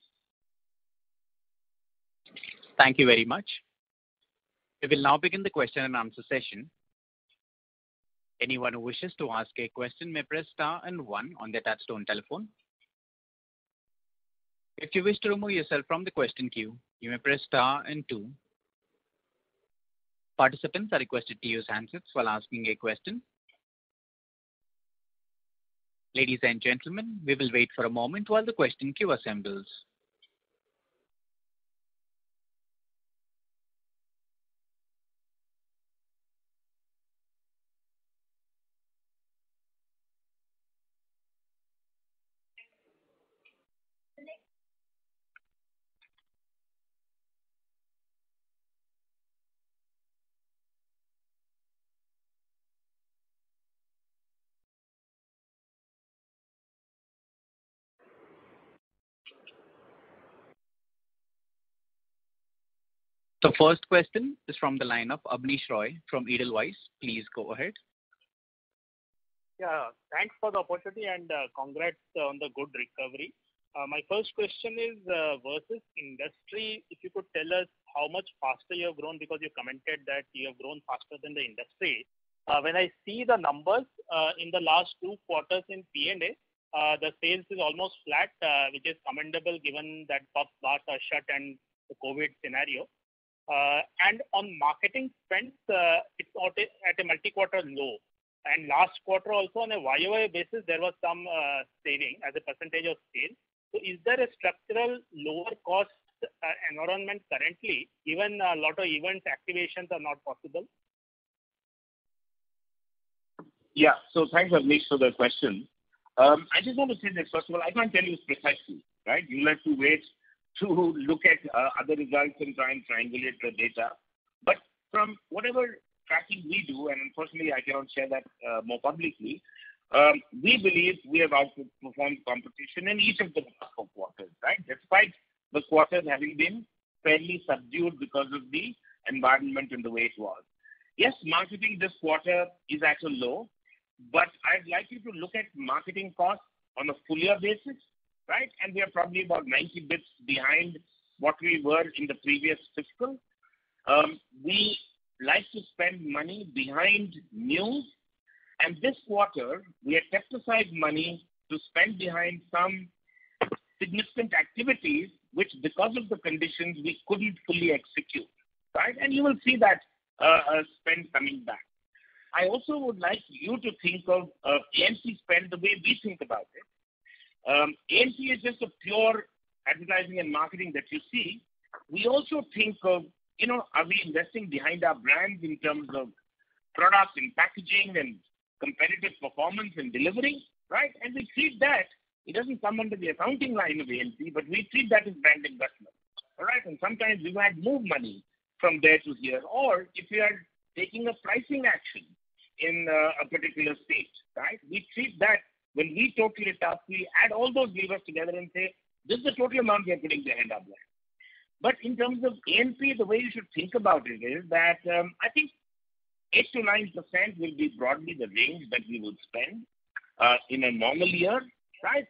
Thank you very much. We will now begin the question-and-answer session. Anyone who wishes to ask a question may press star and one on their touch-tone telephone. If you wish to remove yourself from the question queue, you may press star and two. Participants are requested to use hands-free while asking a question. Ladies and gentlemen, we will wait for a moment while the question queue assembles. The first question is from the line of Abneesh Roy from Edelweiss. Please go ahead. Yeah. Thanks for the opportunity and congrats on the good recovery. My first question is, versus industry, if you could tell us how much faster you have grown because you commented that you have grown faster than the industry. When I see the numbers in the last two quarters in P&A, the sales is almost flat, which is commendable given that top bars are shut and the COVID scenario. On marketing spends, it's at a multi-quarter low. Last quarter also on a year-over-year basis, there was some saving as a percentage of sales. Is there a structural lower cost environment currently, even a lot of event activations are not possible? Yeah. Thanks, Abneesh, for the question. I just want to say this, first of all, I can't tell you precisely, right? You'll have to wait to look at other results and try and triangulate the data. From whatever tracking we do, and unfortunately, I cannot share that more publicly, we believe we have outperformed competition in each of the quarters, right? Despite those quarters having been fairly subdued because of the environment and the way it was. Yes, marketing this quarter is at a low, I'd like you to look at marketing costs on a full year basis, right? We are probably about 90 basis points behind what we were in the previous fiscal. We like to spend money behind news. This quarter, we had set aside money to spend behind some significant activities, which because of the conditions, we couldn't fully execute, right? You will see that spend coming back. I also would like you to think of A&P spend the way we think about it. A&P is just the pure advertising and marketing that you see. We also think of are we investing behind our brands in terms of products and packaging and competitive performance and delivery, right? It doesn't come under the accounting line of A&P, but we treat that as brand investment. All right. Sometimes we add more money from there to here. If we are taking a pricing action in a particular state, right? We treat that when we total it up, we add all those levers together and say, this is the total amount we are putting behind our brands. In terms of A&P, the way you should think about it is that, I think 8%-9% will be broadly the range that we would spend in a normal year, right?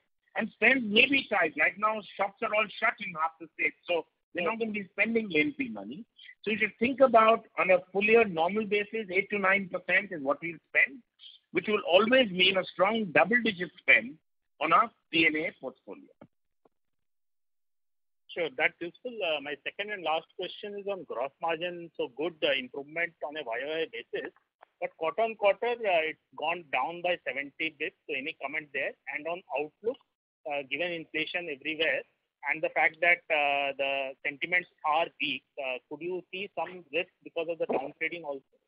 Spend may be tight. Right now, shops are all shut in half the states, so we're not going to be spending A&P money. You should think about on a full year normal basis, 8%-9% is what we spend, which will always mean a strong double-digit spend on our P&A portfolio. Sure. That's useful. My second and last question is on gross margin. Good improvement on a year-over-year basis. Quarter-on-quarter, it's gone down by 70 basis points. Any comment there? On outlook, given inflation everywhere and the fact that the sentiments are weak, could you see some risk because of the down trading also?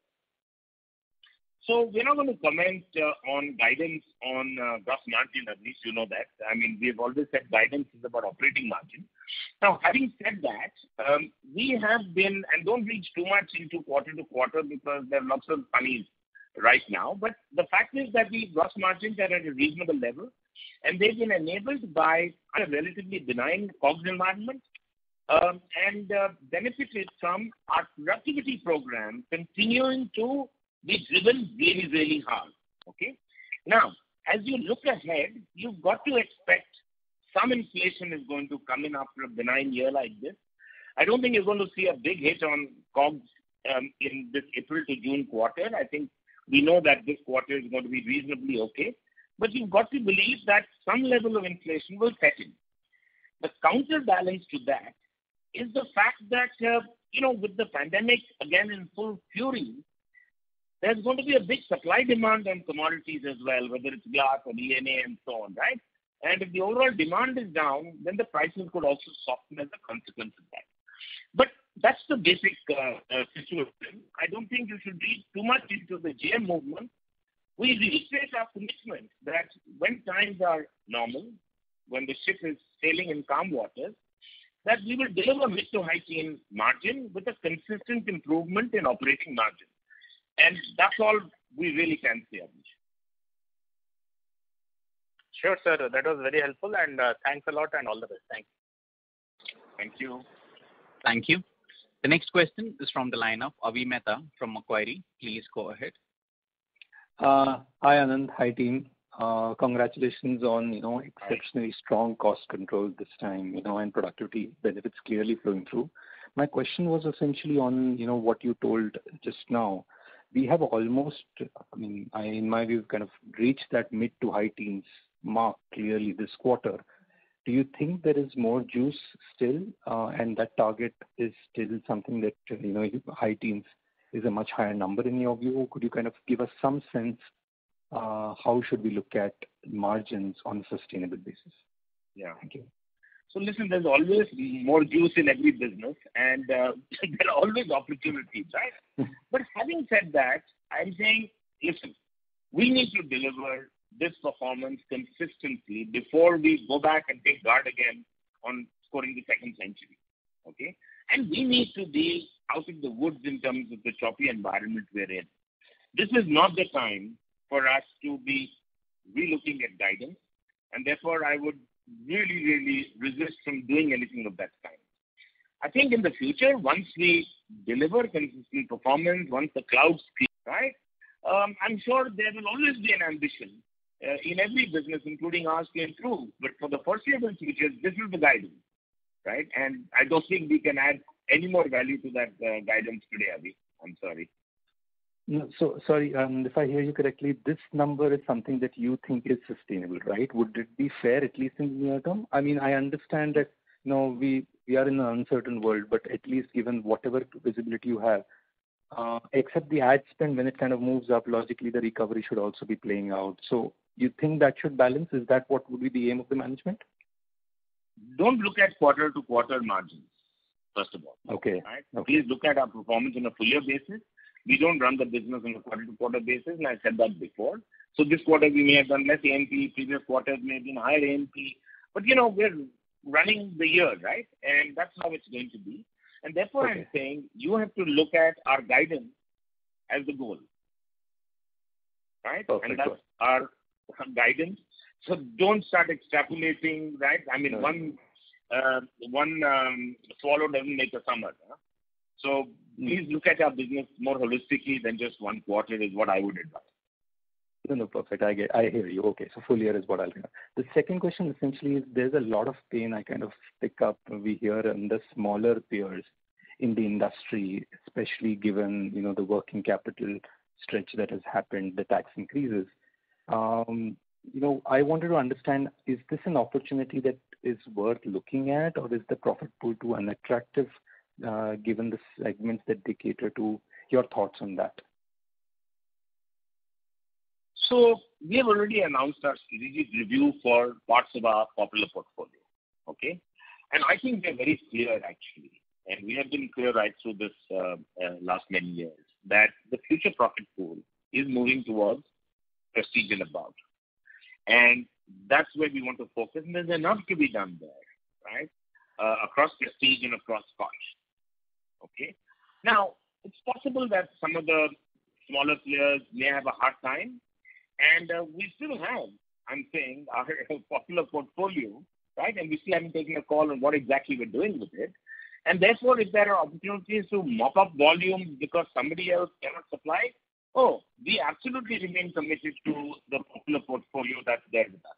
We're not going to comment on guidance on gross margins, Abneesh. You know that. We've always said guidance is about operating margin. Having said that, don't read too much into quarter to quarter because they're not so funny right now. The fact is that the gross margins are at a reasonable level, and they've been enabled by a relatively benign COGS environment and benefits from our productivity program continuing to be driven really, really hard. Okay? As we look ahead, you've got to expect some inflation is going to come in after a benign year like this. I don't think you're going to see a big hit on COGS in this April to June quarter. I think we know that this quarter is going to be reasonably okay. You've got to believe that some level of inflation will set in. The counterbalance to that is the fact that, with the pandemic again in full fury, there's going to be a big supply-demand on commodities as well, whether it's glass or ENA and so on, right? If the overall demand is down, then the pricing could also soften as a consequence of that. That's the basic situation. I don't think you should read too much into the GM movement. We reiterate our commitment that when times are normal, when the ship is sailing in calm waters, that we will deliver mid- to high-teen margin with a consistent improvement in operating margin. That's all we really can say, Abneesh. Sure, sir. That was very helpful and thanks a lot and all the best. Thank you. Thank you. The next question is from the line of Avi Mehta from Macquarie. Please go ahead. Hi, Anand. Hi, team. Congratulations on exceptionally strong cost control this time, and productivity benefits clearly flowing through. My question was essentially on what you told just now. We have almost, in my view, kind of reached that mid to high teens mark clearly this quarter. Do you think there is more juice still, and that target is still something that high-teens is a much higher number in your view? Could you kind of give us some sense how should we look at margins on a sustainable basis? Yeah. Okay. Listen, there's always more juice in every business, and there are always opportunities, right? Having said that, I think, listen, we need to deliver this performance consistently before we go back and take guard again on scoring the second century. Okay. We need to be out in the woods in terms of the choppy environment we are in. This is not the time for us to be relooking at guidance, and therefore I would really, really resist from doing anything of that kind. I think in the future, once we deliver consistent performance, once the clouds clear, I'm sure there will always be an ambition in every business, including ours, we improve. For the foreseeable future, this is the guidance. I don't think we can add any more value to that guidance today, Avi. I'm sorry. If I hear you correctly, this number is something that you think is sustainable, right? Would it be fair at least in near-term? I understand that now we are in an uncertain world, but at least given whatever visibility you have, except the ad spend, when it moves up logically, the recovery should also be playing out. You think that should balance? Is that what would be the aim of the management? Don’t look at quarter-to-quarter margins, first of all. Okay. Please look at our performance on a full year basis. We don’t run the business on a quarter-to-quarter basis, and I said that before. This quarter we may have done less A&P, previous quarter may have been higher A&P. We’re running the year, and that’s how it’s going to be. Therefore I'm saying you have to look at our guidance as the goal. Okay. That’s our guidance. Don’t start extrapolating. One swallow doesn’t make a summer. Please look at our business more holistically than just one quarter is what I would advise. No, perfect. I hear you. Okay. Full year is what I'll hear. The second question essentially is there's a lot of pain I kind of pick up over here in the smaller players in the industry, especially given the working capital stretch that has happened with tax increases. I wanted to understand, is this an opportunity that is worth looking at or is the profit pool too unattractive given the segments that they cater to? Your thoughts on that. We have already announced our strategic review for parts of our popular portfolio. Okay? I think we are very clear actually, and we have been clear right through this last many years that the future profit pool is moving towards prestige and above, and that's where we want to focus and there's a lot to be done there. Across prestige and across Scotch. Okay? It's possible that some of the smaller players may have a hard time, and we still have, I'm saying, a popular portfolio. We still haven't taken a call on what exactly we're doing with it. If there are opportunities to mop up volume because somebody else cannot supply, oh, we absolutely remain committed to the popular portfolio that's there with us.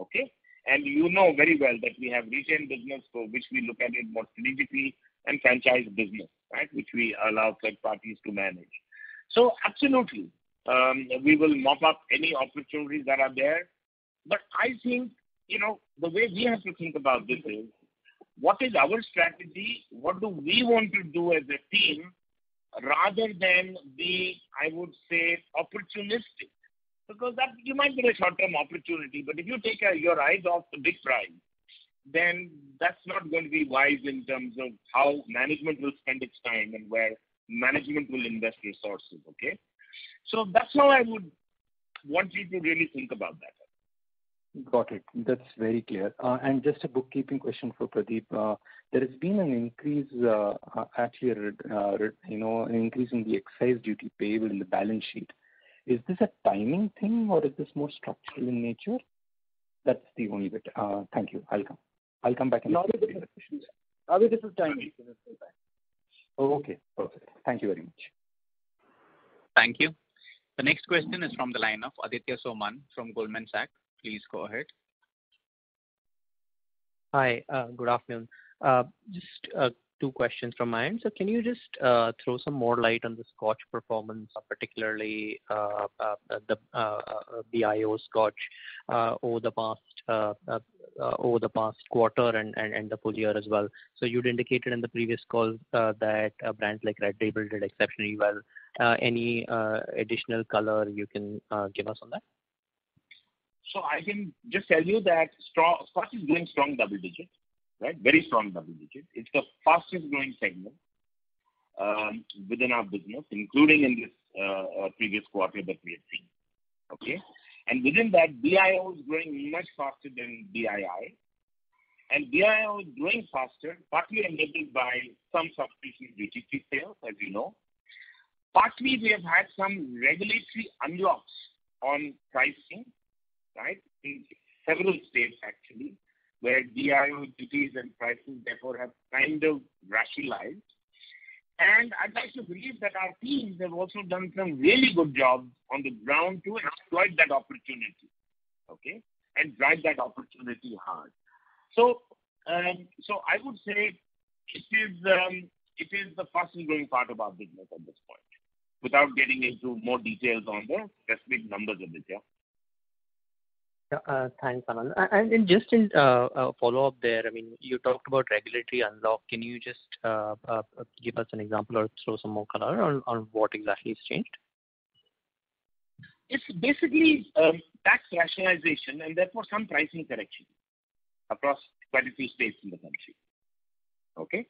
Okay? You know very well that we have regional business for which we look at it more strategically and franchise business which we allow third parties to manage. Absolutely, we will mop up any opportunities that are there. I think the way we have to think about this is, what is our strategy? What do we want to do as a team rather than be, I would say, opportunistic because that might be a short-term opportunity, but if you take your eyes off the big prize, then that’s not going to be wise in terms of how management will spend its time and where management will invest resources, okay. That’s how I would want you to really think about that. Got it. That’s very clear. Just a bookkeeping question for Pradeep. There’s been an increase in the excise duty payable in the balance sheet. Is this a timing thing or is this more structural in nature? That’s the only bit. Thank you. I’ll come back. No, this is timing. This is the fact. Okay, perfect. Thank you very much. Thank you. The next question is from the line of Aditya Soman from Goldman Sachs. Please go ahead. Hi, good afternoon. Just two questions from my end. Can you just throw some more light on the Scotch performance, particularly the BIO Scotch over the past quarter and the full year as well? You’d indicated in the previous call that brands like Red Label did exceptionally well. Any additional color you can give us on that? I can just tell you that Scotch is doing strong double digits. Very strong double digits. It’s the fastest-growing segment within our business, including in this previous quarter that we have seen. Okay? Within that, BIO is growing much faster than BII. BIO is growing faster partly enabled by some stoppage of duty digi sales, as you know. Partly, we have had some regulatory unlocks on pricing in several states actually, where BIO duties and pricing therefore have kind of rationalized. I'd like to believe that our teams have also done some really good job on the ground to exploit that opportunity and drive that opportunity hard. I would say it is the fastest-growing part of our business at this point. Without getting into more details on the specific numbers in detail. Thanks, Anand. Just in follow-up there, you talked about regulatory unlock. Can you just give us an example or throw some more color on what exactly has changed? It’s basically tax rationalization and therefore some pricing correction across 20 states in the country. Okay.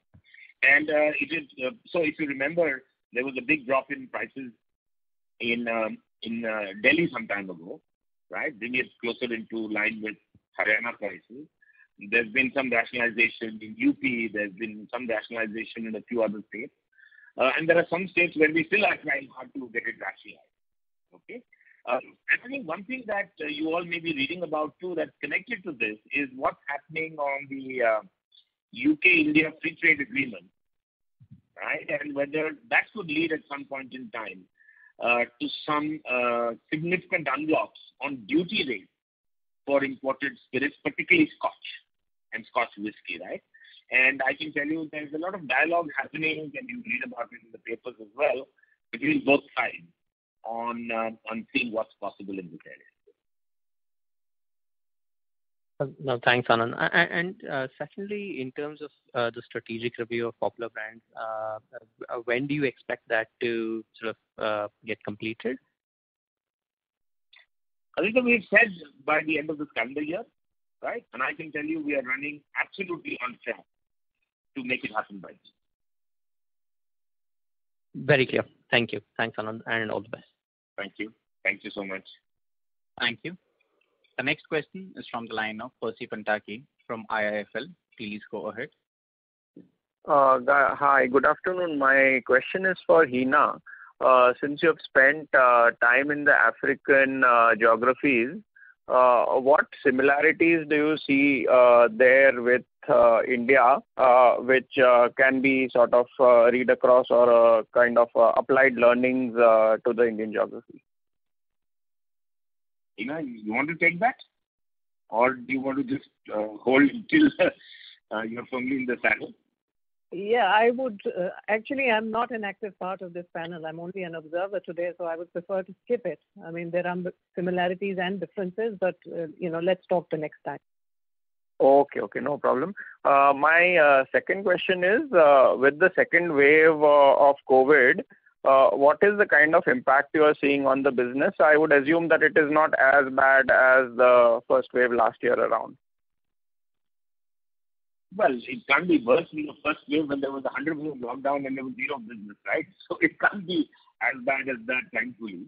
If you remember, there was a big drop in prices in Delhi some time ago. Bring it closer into line with Haryana policy. There has been some rationalization in U.P. There has been some rationalization in a few other states. There are some states where we still are trying hard to get it rationalized. Okay. I think one thing that you all may be reading about too, that's connected to this, is what's happening on the U.K.-India free trade agreement. Whether that would lead at some point in time to some significant unlocks on duty rates for imported spirits, particularly Scotch and Scotch whisky. I can tell you there is a lot of dialogue happening, and you read about it in the papers as well, between both sides on seeing what's possible in that area. Thanks, Anand. Secondly, in terms of the strategic review of popular brands, when do you expect that to get completed? I think we had said by the end of this calendar year. I can tell you we are running absolutely on track to make it happen by then. Very clear. Thank you. Thanks, Anand, and all the best. Thank you. Thank you so much. Thank you. The next question is from the line of Percy Panthaki from IIFL. Please go ahead. Hi, good afternoon. My question is for Hina. Since you have spent time in the African geographies, what similarities do you see there with India, which can be sort of read across or kind of applied learnings to the Indian geography? Hina, you want to take that? Or do you want to just hold until your family in the panel? Yeah, actually, I'm not an active part of this panel. I'm only an observer today, so I would prefer to skip it. There are similarities and differences, but let's talk the next time. Okay. No problem. My second question is, with the second wave of COVID, what is the kind of impact you are seeing on the business? I would assume that it is not as bad as the first wave last year around. It can't be worse than the first wave when there was 100% lockdown and there was zero business. It can't be as bad as that, thankfully.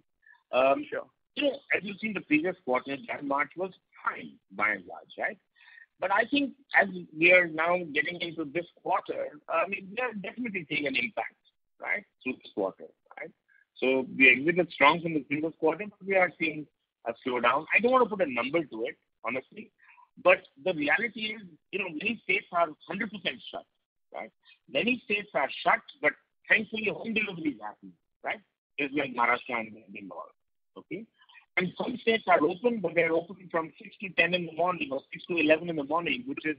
Sure. As you see in the previous quarter, January-March was fine by and large. I think as we are now getting into this quarter, we are definitely taking an impact to this quarter. We ended it strong in the previous quarter, so we are seeing a slowdown. I don't want to put a number to it, honestly. The reality is many states are 100% shut. Many states are shut, but thankfully home delivery is happening. Just like Maharashtra and Maharashtra. Okay? Some states are open, but they're opening from 6:00 A.M.-10:00 A.M. in the morning or 6:00 A.M.-11:00 A.M. in the morning, which is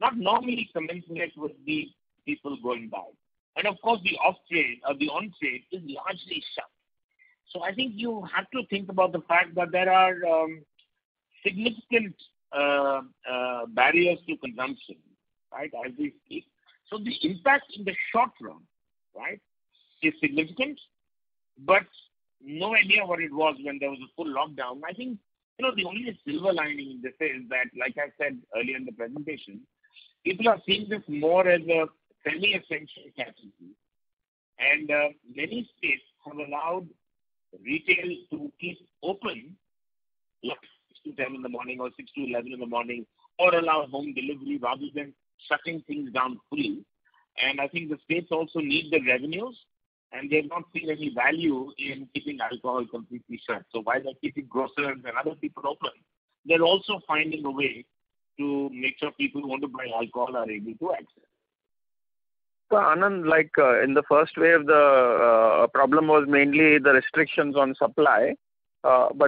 not normally commensurate with the people going by. Of course, the off-trade or the on-trade is largely shut. I think you have to think about the fact that there are significant barriers to consumption as we speak. The impact in the short run is significant, but no idea what it was when there was a full lockdown. I think the only silver lining in this is that, like I said earlier in the presentation, people are seeing this more as a semi-essential category. Many states have allowed retail to keep open, like 6:00 A.M.-10:00 A.M. or 6:00 A.M.-11:00 A.M., or allow home delivery rather than shutting things down fully. I think the states also need the revenues, and they're not seeing any value in keeping alcohol completely shut. While they're keeping grocers and other people open, they're also finding a way to make sure people who want to buy alcohol are able to access it. Anand, in the first wave, the problem was mainly the restrictions on supply.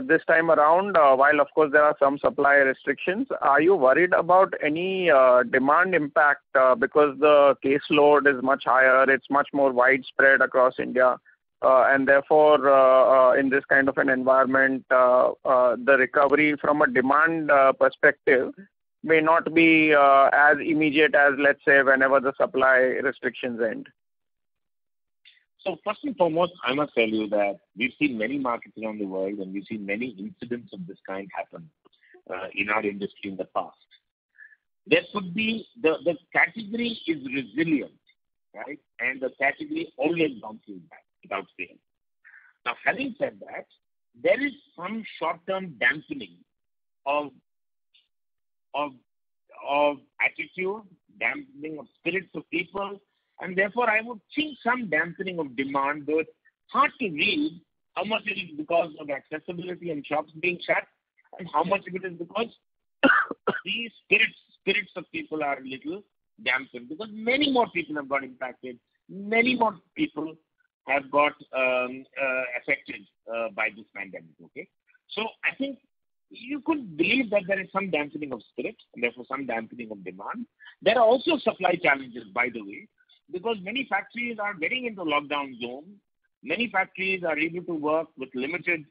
This time around, while of course there are some supply restrictions, are you worried about any demand impact? The caseload is much higher, it's much more widespread across India. Therefore, in this kind of an environment, the recovery from a demand perspective may not be as immediate as, let's say, whenever the supply restrictions end. First and foremost, I must tell you that we've seen many markets around the world, and we've seen many incidents of this kind happen in our industry in the past. The category is resilient, and the category always comes in back without fail. Having said that, there is some short-term dampening of attitude, dampening of spirits of people, and therefore I would think some dampening of demand both hard to read how much of it is because of accessibility and shops being shut and how much of it is because these spirits of people are a little dampened because many more people have got impacted, many more people have got affected by this pandemic. I think you could believe that there is some dampening of spirits and therefore some dampening of demand. There are also supply challenges, by the way, because many factories are getting into lockdown zone. Many factories are able to work with limited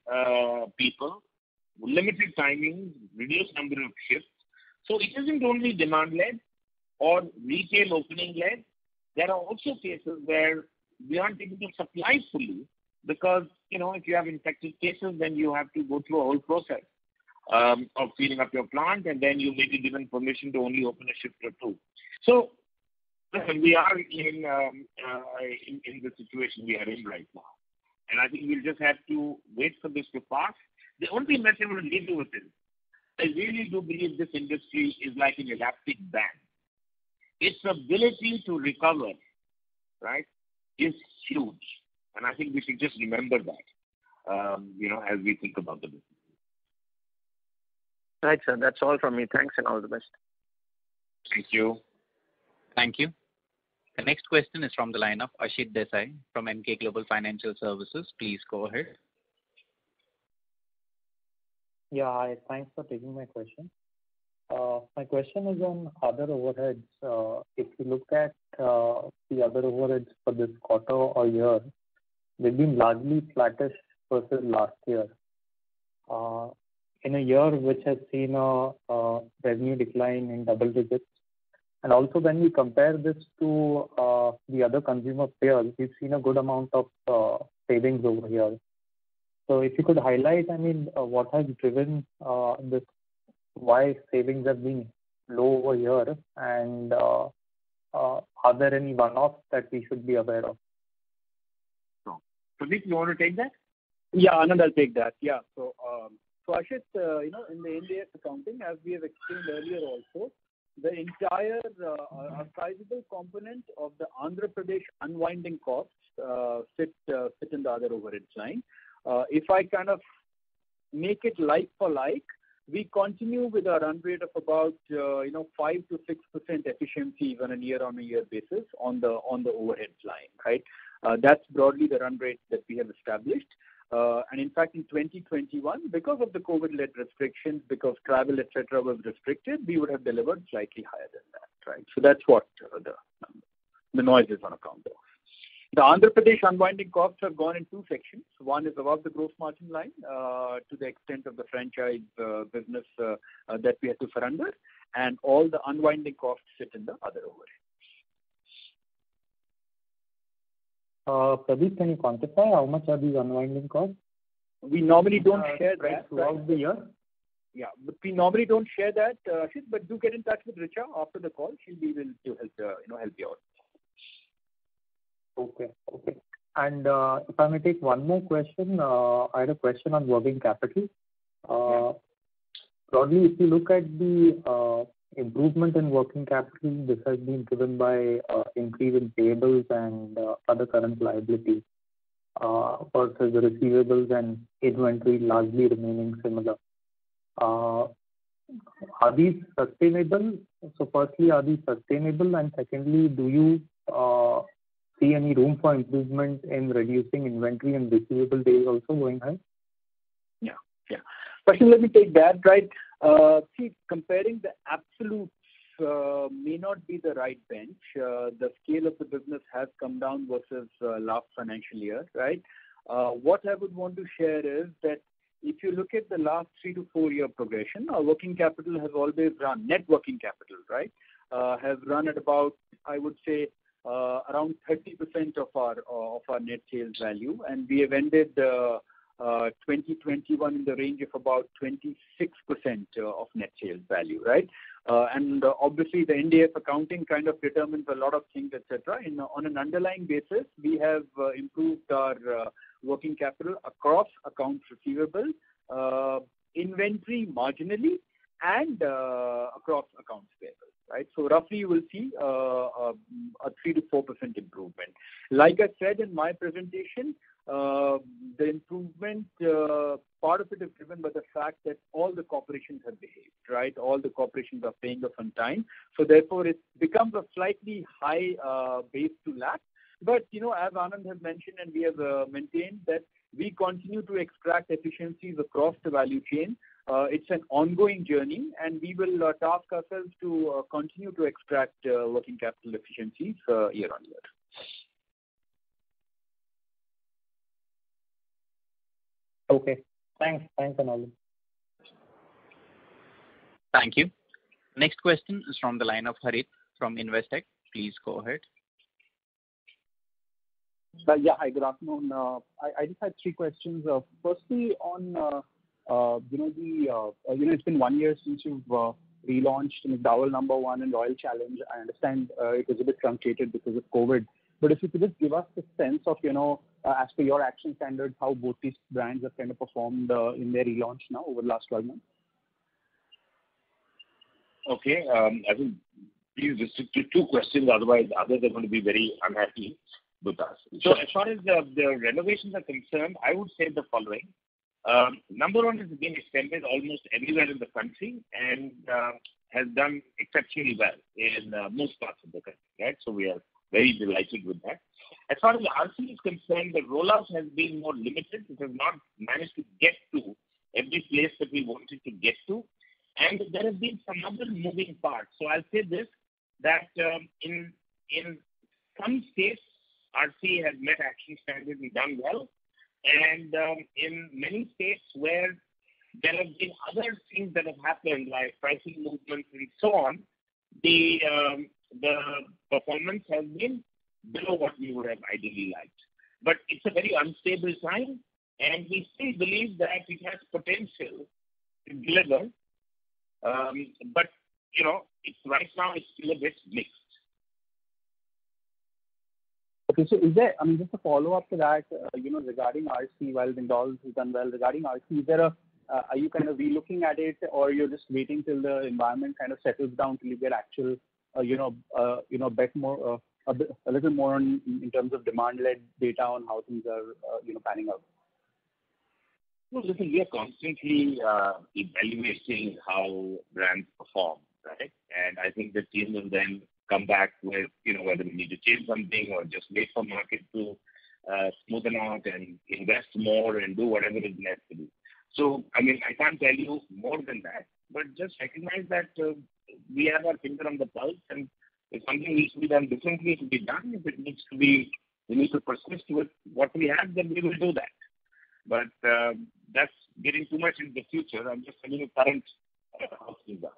people, limited timing, reduced number of shifts. It isn't only demand-led or retail opening-led. There are also cases where we aren't able to supply fully because if you have infected cases, then you have to go through a whole process of cleaning up your plant, and then you may be given permission to only open a shift or two. Look, we are in the situation we are in right now, and I think we'll just have to wait for this to pass. The only thing that I'm going to leave you with is, I really do believe this industry is like an elastic band. Its ability to recover is huge, and I think we should just remember that as we think about the business. Right, sir. That's all from me. Thanks and all the best. Thank you. Thank you. The next question is from the line of Ashit Desai from Emkay Global Financial Services. Please go ahead. Yeah. Thanks for taking my question. My question is on other overheads. If you look at the other overheads for this quarter or year, they've been largely flattish versus last year. In a year which has seen a revenue decline in double digits, and also when we compare this to the other consumer peers, we've seen a good amount of savings over here. If you could highlight, what has driven this, why savings have been low a year, and are there any one-offs that we should be aware of? Pradeep, you want to take that? Anand will take that. Ashit, in the India accounting, as we have explained earlier also, the entire sizable component of the Andhra Pradesh unwinding costs sits in the other overheads line. If I kind of make it like for like, we continue with our run rate of about 5%-6% efficiency on a year-on-year basis on the overheads line. That's broadly the run rate that we have established. In fact, in 2021, because of the COVID-led restrictions, because travel, et cetera, was restricted, we would have delivered slightly higher than that. That's what the noise is on account of. The Andhra Pradesh unwinding costs have gone in two sections. One is above the gross margin line, to the extent of the franchise business that we had to surrender, all the unwinding costs sit in the other overheads. Pradeep, can you quantify how much are these unwinding costs? We normally don't share that. Throughout the year? Yeah. We normally don't share that, Ashit, but do get in touch with Richa after the call. She will be able to help you out. Okay. If I may take one more question. I had a question on working capital. Yeah. Broadly, if you look at the improvement in working capital, this has been driven by increase in payables and other current liabilities versus receivables and inventory largely remaining similar. Firstly, are these sustainable? Secondly, do you see any room for improvement in reducing inventory and receivable days also going ahead? Firstly, let me take that. Comparing the absolutes may not be the right bench. The scale of the business has come down versus last financial year. What I would want to share is that if you look at the last three to four-year progression, our working capital has always run, net working capital, has run at about, I would say, around 30% of our net sales value, and we have ended 2021 in the range of about 26% of net sales value. Obviously the India accounting kind of determines a lot of things, et cetera. On an underlying basis, we have improved our working capital across accounts receivable, inventory marginally, and across accounts payable. Roughly you will see a 3%-4% improvement. Like I said in my presentation, the improvement, part of it is driven by the fact that all the corporations have behaved. All the corporations are paying us on time. Therefore it becomes a slightly high base to lap. As Anand has mentioned and we have maintained that we continue to extract efficiencies across the value chain. It's an ongoing journey, and we will task ourselves to continue to extract working capital efficiencies year-on-year. Okay. Thanks, Anand. Thank you. Next question is from the line of Harit from Investec. Please go ahead. Yeah. Good afternoon. I just have three questions. Firstly, on BII. I know it's been one year since you've relaunched the No.1 and Royal Challenge. I understand it is a bit truncated because of COVID, but if you could give us a sense of, as per your action standard, how both these brands have kind of performed in their relaunch now over the last one year? I think please restrict to two questions, otherwise the others are going to be very unhappy with us. As far as the renovations are concerned, I would say the following. No.1 has been extended almost everywhere in the country and has done exceptionally well in most parts of the country. We are very delighted with that. As far as RC is concerned, the rollouts have been more limited. We have not managed to get to every place that we wanted to get to, and there have been some other moving parts. I'll say this, that in some states, RC has met action standard and done well, and in many states where there have been other things that have happened, like pricing movements and so on, the performance has been below what we would have ideally liked. It's a very unstable sign, and we still believe that it has potential to deliver. Right now it's still a bit mixed. Okay. Just a follow-up to that regarding RC. While the McDowell's have done well, regarding RC, are you relooking at it or you're just waiting till the environment kind of settles down till you get a little more in terms of demand-led data on how things are panning out? No, listen, we are constantly evaluating how brands perform, right. I think the teams will then come back with whether we need to change something or just wait for market to smoothen out and invest more and do whatever is necessary. I can't tell you more than that, but just recognize that we have our finger on the pulse, and if something needs to be done differently, it'll be done. If we need to persist with what we have, then we will do that. That's getting too much into the future. I'm just telling you clients how things are.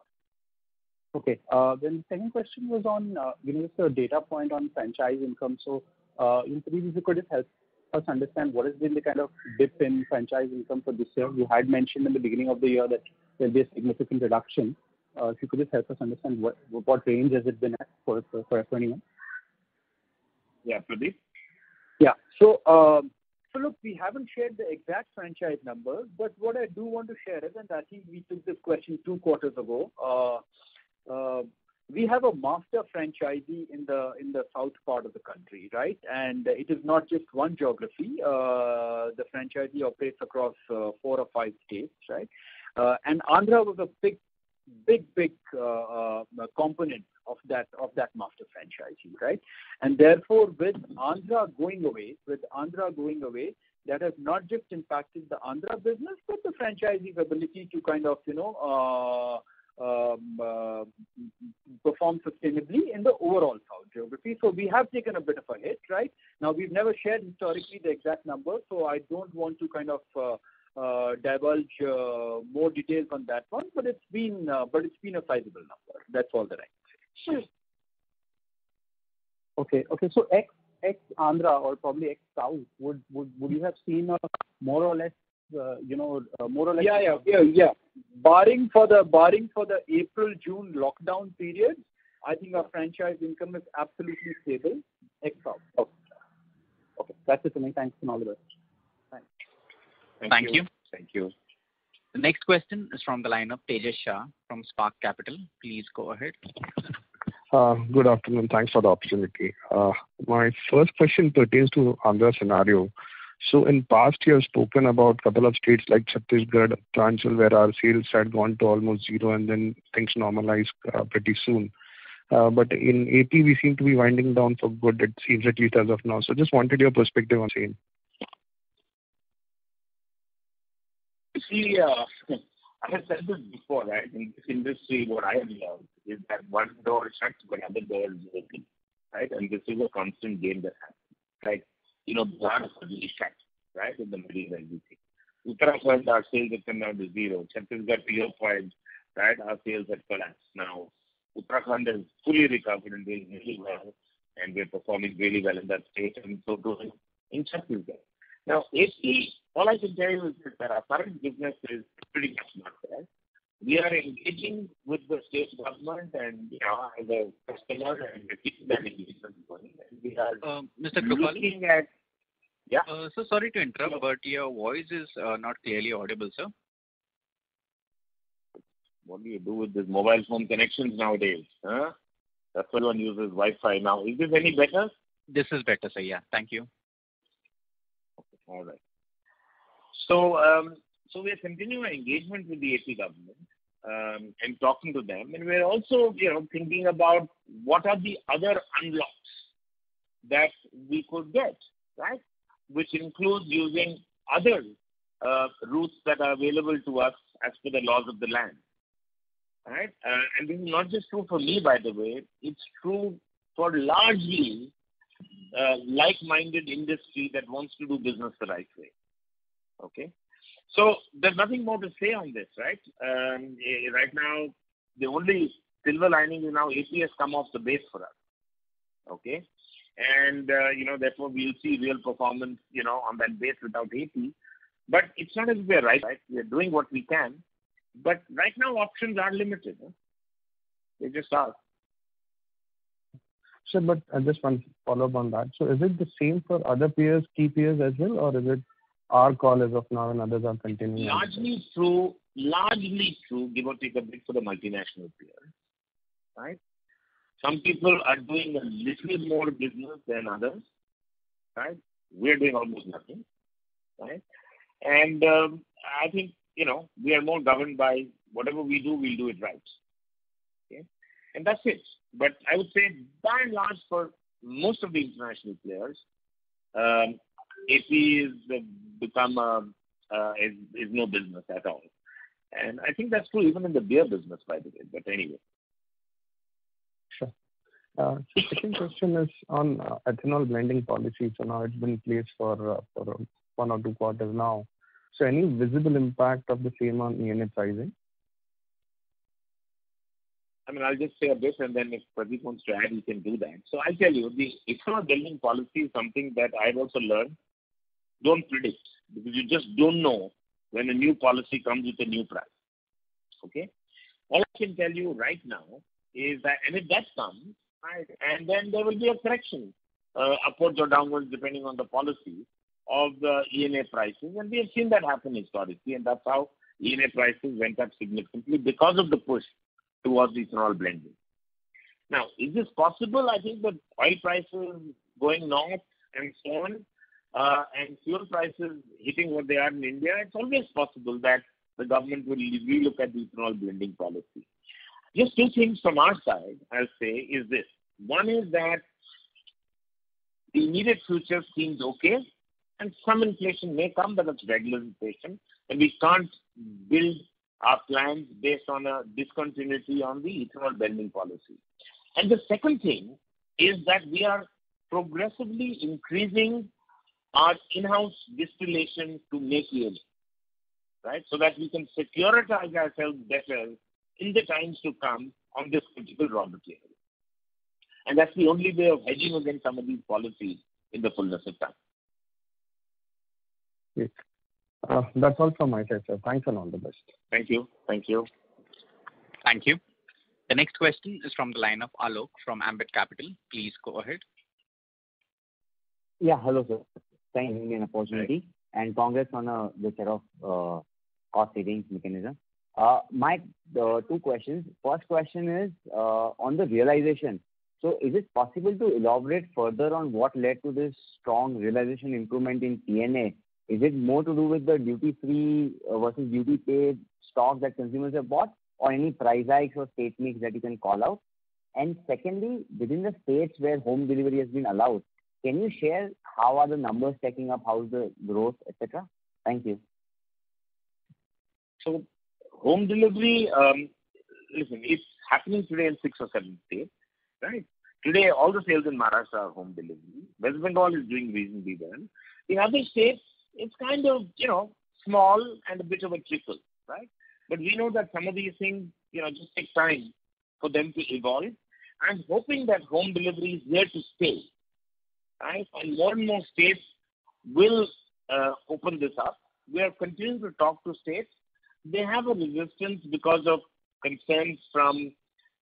Okay. The second question was on giving us a data point on franchise income. If you could just help us understand what has been the dip in franchise income for this year? You had mentioned in the beginning of the year that there'll be a significant reduction. If you could just help us understand what range has it been at for a full year? Yeah. Pradeep? Yeah. Look, we haven't shared the exact franchise number, but what I do want to share is, and I think we took this question two quarters ago, we have a master franchisee in the south part of the country. It is not just one geography. The franchisee operates across four or five states. Andhra was a big component of that master franchisee. Therefore, with Andhra going away, that has not just impacted the Andhra business, but the franchisee's ability to perform sustainably in the overall south geography. We have taken a bit of a hit. We've never shared historically the exact number, so I don't want to divulge more details on that one. It's been a sizable number. That's all the right. Sure. Okay. Ex-Andhra or probably ex-South, would you have seen a more or less? Yeah. Barring for the April-June lockdown period, I think our franchise income is absolutely stable ex-South. Okay. That's it from me. Thanks a lot. Thanks. Thank you. Thank you. The next question is from the line of Tejas Shah from Spark Capital. Please go ahead. Good afternoon. Thanks for the opportunity. My first question pertains to Andhra scenario. In past, you have spoken about couple of states like Chhattisgarh, Uttarakhand, where our sales had gone to almost zero and then things normalized pretty soon. In AP, we seem to be winding down for good, it seems like as of now. I just wanted your perspective on the same. You see, I have said this before, right? In this industry, what I have learned is that one door shuts, but another door is open, right? This is a constant game that happens, right? Gujarat fully shut, right, in the middle of everything. Uttarakhand, our sales had come down to zero. Chhattisgarh, to your point, right, our sales had collapsed. Uttarakhand has fully recovered and doing really well, and we are performing very well in that state and so is Chhattisgarh. AP, all I can tell you is that our current business is pretty much not there. We are engaging with the state government- Yeah. -repeatedly. Mr. Kripalu? Yeah. Sir, sorry to interrupt, but your voice is not clearly audible, sir. What do you do with these mobile phone connections nowadays, huh? That's why one uses Wi-Fi now. Is this any better? This is better, sir. Yeah. Thank you. Okay. All right. We are continuing our engagement with the AP government and talking to them, and we are also thinking about what are the other unlocks that we could get, right? Which include using other routes that are available to us as per the laws of the land. Right? Not just true for me, by the way, it's true for largely like-minded industry that wants to do business the right way. Okay? There's nothing more to say on this, right? Right now, the only silver lining is now AP has come off the base for us. Okay? Therefore, we'll see real performance on that base without AP. It's not as if we are right. We are doing what we can. Right now, options are limited. They just are. Sure. I just want to follow up on that. Is it the same for other peers, key peers as well, or is it our call as of now and others are continuing? Largely true, give or take a bit for the multinational peers, right? Some people are doing a little bit more business than others. Right? We're doing almost nothing. Right? I think we are more governed by whatever we do, we do it right. Okay? That's it. I would say by and large, for most of the international players, AP has become no business at all. I think that's true even in the beer business, by the way. Anyway. Sure. Second question is on ethanol blending policy. Now it's been in place for one or two quarters now. Any visible impact of the same on the ENA pricing? I will just say this and then if Pradeep wants to add, he can do that. I will tell you, the ethanol blending policy is something that I have also learned, don't predict because you just don't know when a new policy comes with a new plan. Okay. All I can tell you right now is that if that comes, and then there will be a correction upwards or downwards depending on the policy of the ENA pricing. We have seen that happen in history, and that's how ENA pricing went up significantly because of the push towards ethanol blending. Is this possible, I think with oil prices going north and foreign and fuel prices hitting what they are in India, it's always possible that the government will relook at the ethanol blending policy. Just two things from our side I will say is this. One is that the immediate future seems okay and some inflation may come, but that's regular inflation and we can't build our plans based on a discontinuity on the ethanol blending policy. The second thing is that we are progressively increasing our in-house distillation to make ENA, so that we can securitize ourselves better in the times to come on this particular raw material. That's the only way of hedging against some of these policies in the longer term. Great. That's all from my side, sir. Thanks and all the best. Thank you. Thank you. Thank you. The next question is from the line of Alok from Ambit Capital. Please go ahead. Hello, folks. Thank you for giving me an opportunity and congrats on the set of cost-saving mechanism. Might two questions. First question is on the realization. Is it possible to elaborate further on what led to this strong realization increment in P&A? Is it more to do with the duty-free versus duty paid stock that consumers have bought or any price hikes or state mix that you can call out? Secondly, within the states where home delivery has been allowed, can you share how are the numbers stacking up, how is the growth, et cetera? Thank you. Home delivery, listen, it's happening today in six or seven states. Today, all the sales in Maharashtra are home delivery. West Bengal is doing reasonably well. In other states, it's kind of small and a bit of a trickle. We know that some of these things just take time for them to evolve and hoping that home delivery is here to stay, and more and more states will open this up. We are continuing to talk to states. They have a resistance because of concerns from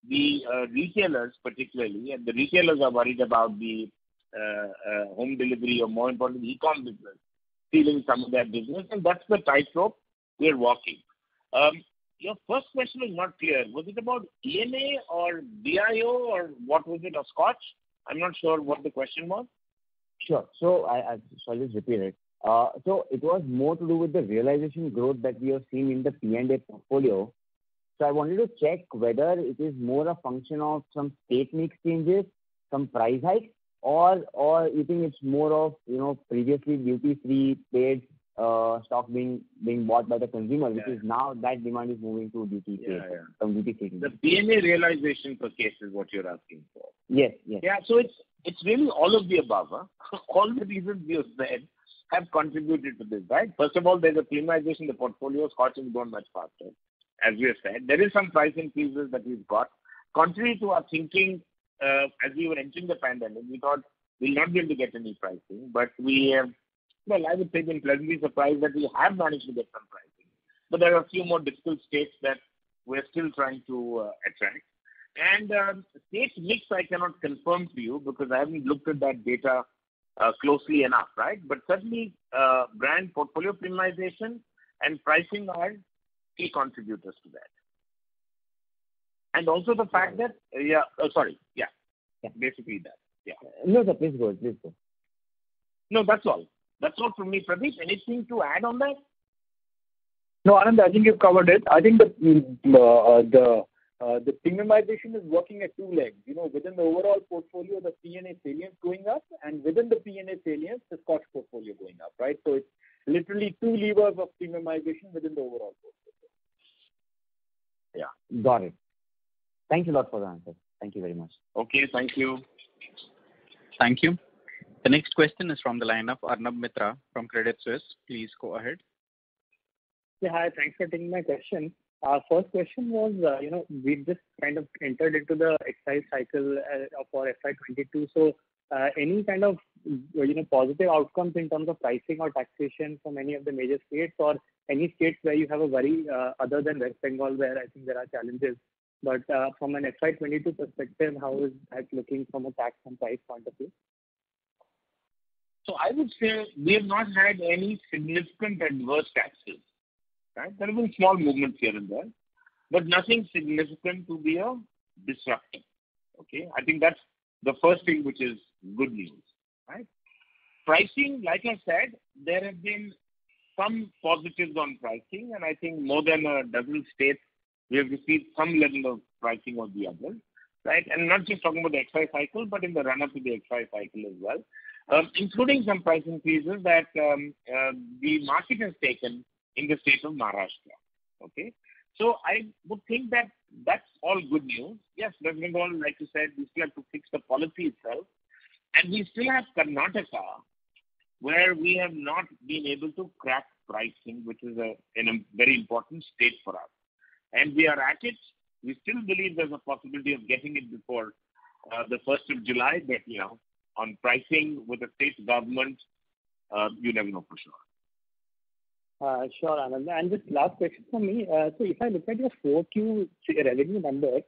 the retailers particularly, and the retailers are worried about the home delivery or more importantly, e-com business stealing some of their business, and that's the tightrope we are walking. Your first question was not clear. Was it about P&A or BIO or what was it? Or Scotch? I'm not sure what the question was. Sure. I'll just repeat it. It was more to do with the realization growth that we are seeing in the P&A portfolio. I wanted to check whether it is more a function of some technique changes, some price hikes, or you think it's more of previously duty free paid stock being bought by the consumer, which is now that demand is moving to duty paid. Yeah. The P&A realization for case is what you're asking for. Yes. Yeah. It's really all of the above. All the reasons we have said have contributed to this. First of all, there's a premiumization of the portfolio, Scotch has grown much faster, as we have said. There is some pricing pieces that we've got. Contrary to our thinking, as we were entering the pandemic, we thought we're not going to get any pricing, we have, well, I would say been pleasantly surprised that we have managed to get some pricing. There are a few more difficult states that we're still trying to attract. State mix I cannot confirm for you because I haven't looked at that data closely enough. Certainly, brand portfolio premiumization and pricing are key contributors to that. Yeah, sorry. Yeah. Basically that. Yeah. No, that is good. No, that's all. That's all from me. Pradeep, anything to add on that? No, Anand, I think you've covered it. I think the premiumization is working at two legs. Within the overall portfolio, the P&A salience is going up and within the P&A salience, the Scotch portfolio going up. It's literally two levers of premiumization within the overall portfolio. Yeah. Got it. Thank you lot for the answer. Thank you very much. Okay, thank you. Thank you. The next question is from the line of Arnab Mitra from Credit Suisse. Please go ahead. Yeah. Hi. Thanks for taking my question. First question was, we've just kind of entered into the excise cycle for FY 2022, so any kind of really positive outcomes in terms of pricing or taxation for any of the major states or any states where you have a worry other than West Bengal where I think there are challenges, but from an FY 2022 perspective, how is that looking from a tax and price point of view? I would say we have not had any significant adverse taxes. There have been small movements here and there, but nothing significant to be a disruption. Okay. I think that's the first thing which is good news. Pricing, like I said, there have been some forfeitures on pricing and I think more than a dozen states we have received some level of pricing or the other. Not just talking about the FY cycle, but in the run-up to the FY cycle as well, including some pricing pieces that the market has taken in the state of Maharashtra. Okay. I would think that that's all good news. Yes, West Bengal, like you said, we still have to fix the policy itself and we still have Karnataka where we have not been able to crack pricing, which is in a very important state for us. We are at it. We still believe there's a possibility of getting it before July 1st. On pricing with the state government, you never know for sure. Sure, Anand. Just last question from me. If I look at your 4Q revenue numbers,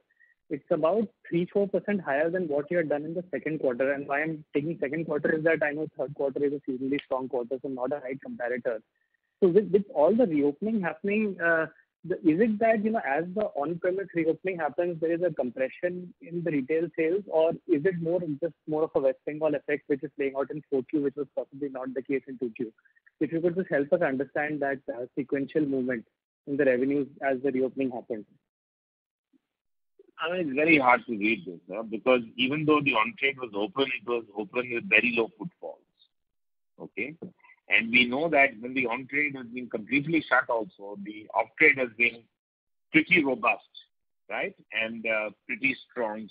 it's about 3%, 4% higher than what you had done in the second quarter. Why I'm taking second quarter is that I know third quarter is a seasonally strong quarter, not a right comparator. With all the reopening happening, is it that as the on-premise reopening happens, there is a compression in the retail sales, or is it more of a West Bengal effect, which is playing out in 4Q, which was possibly not the case in 2Q? If you could just help us understand that sequential movement in the revenues as the reopening happened. It's very hard to read this, because even though the on-trade was open, it was open with very low footfalls. Okay. We know that when the on-trade has been completely shut also, the off-trade has been pretty robust. Right? Pretty strong.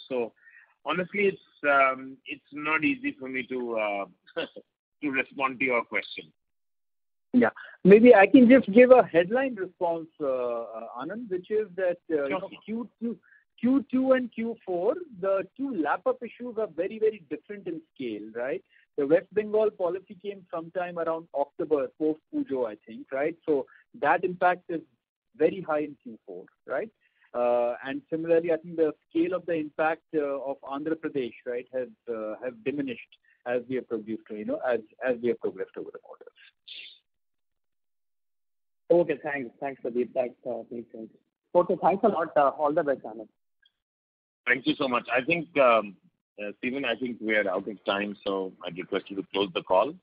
Honestly, it's not easy for me to respond to your question. Yeah. Maybe I can just give a headline response, Anand. Sure. Q2 and Q4, the two lap-up issues are very, very different in scale, right? The West Bengal policy came sometime around October, post Pujo, I think. That impact is very high in Q4. Right? Similarly, I think the scale of the impact of Andhra Pradesh has diminished as we have progressed over the quarters. Okay, thanks. Thanks for the insight. Great. Thanks. Okay, thanks a lot. All the best, Anand. Thank you so much. Steven, I think we are out of time. I request you to close the call.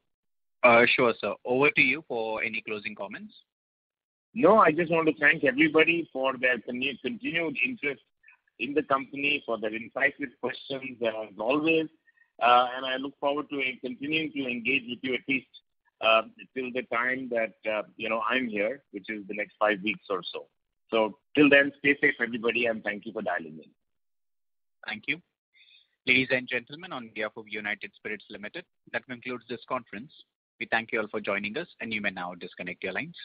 Sure, sir. Over to you for any closing comments. No, I just want to thank everybody for their continued interest in the company, for their incisive questions as always. I look forward to continuing to engage with you at least till the time that I'm here, which is the next five weeks or so. Till then, stay safe, everybody, and thank you for dialing in. Thank you. Ladies and gentlemen, on behalf of United Spirits Limited, that concludes this conference. We thank you all for joining us, and you may now disconnect your lines.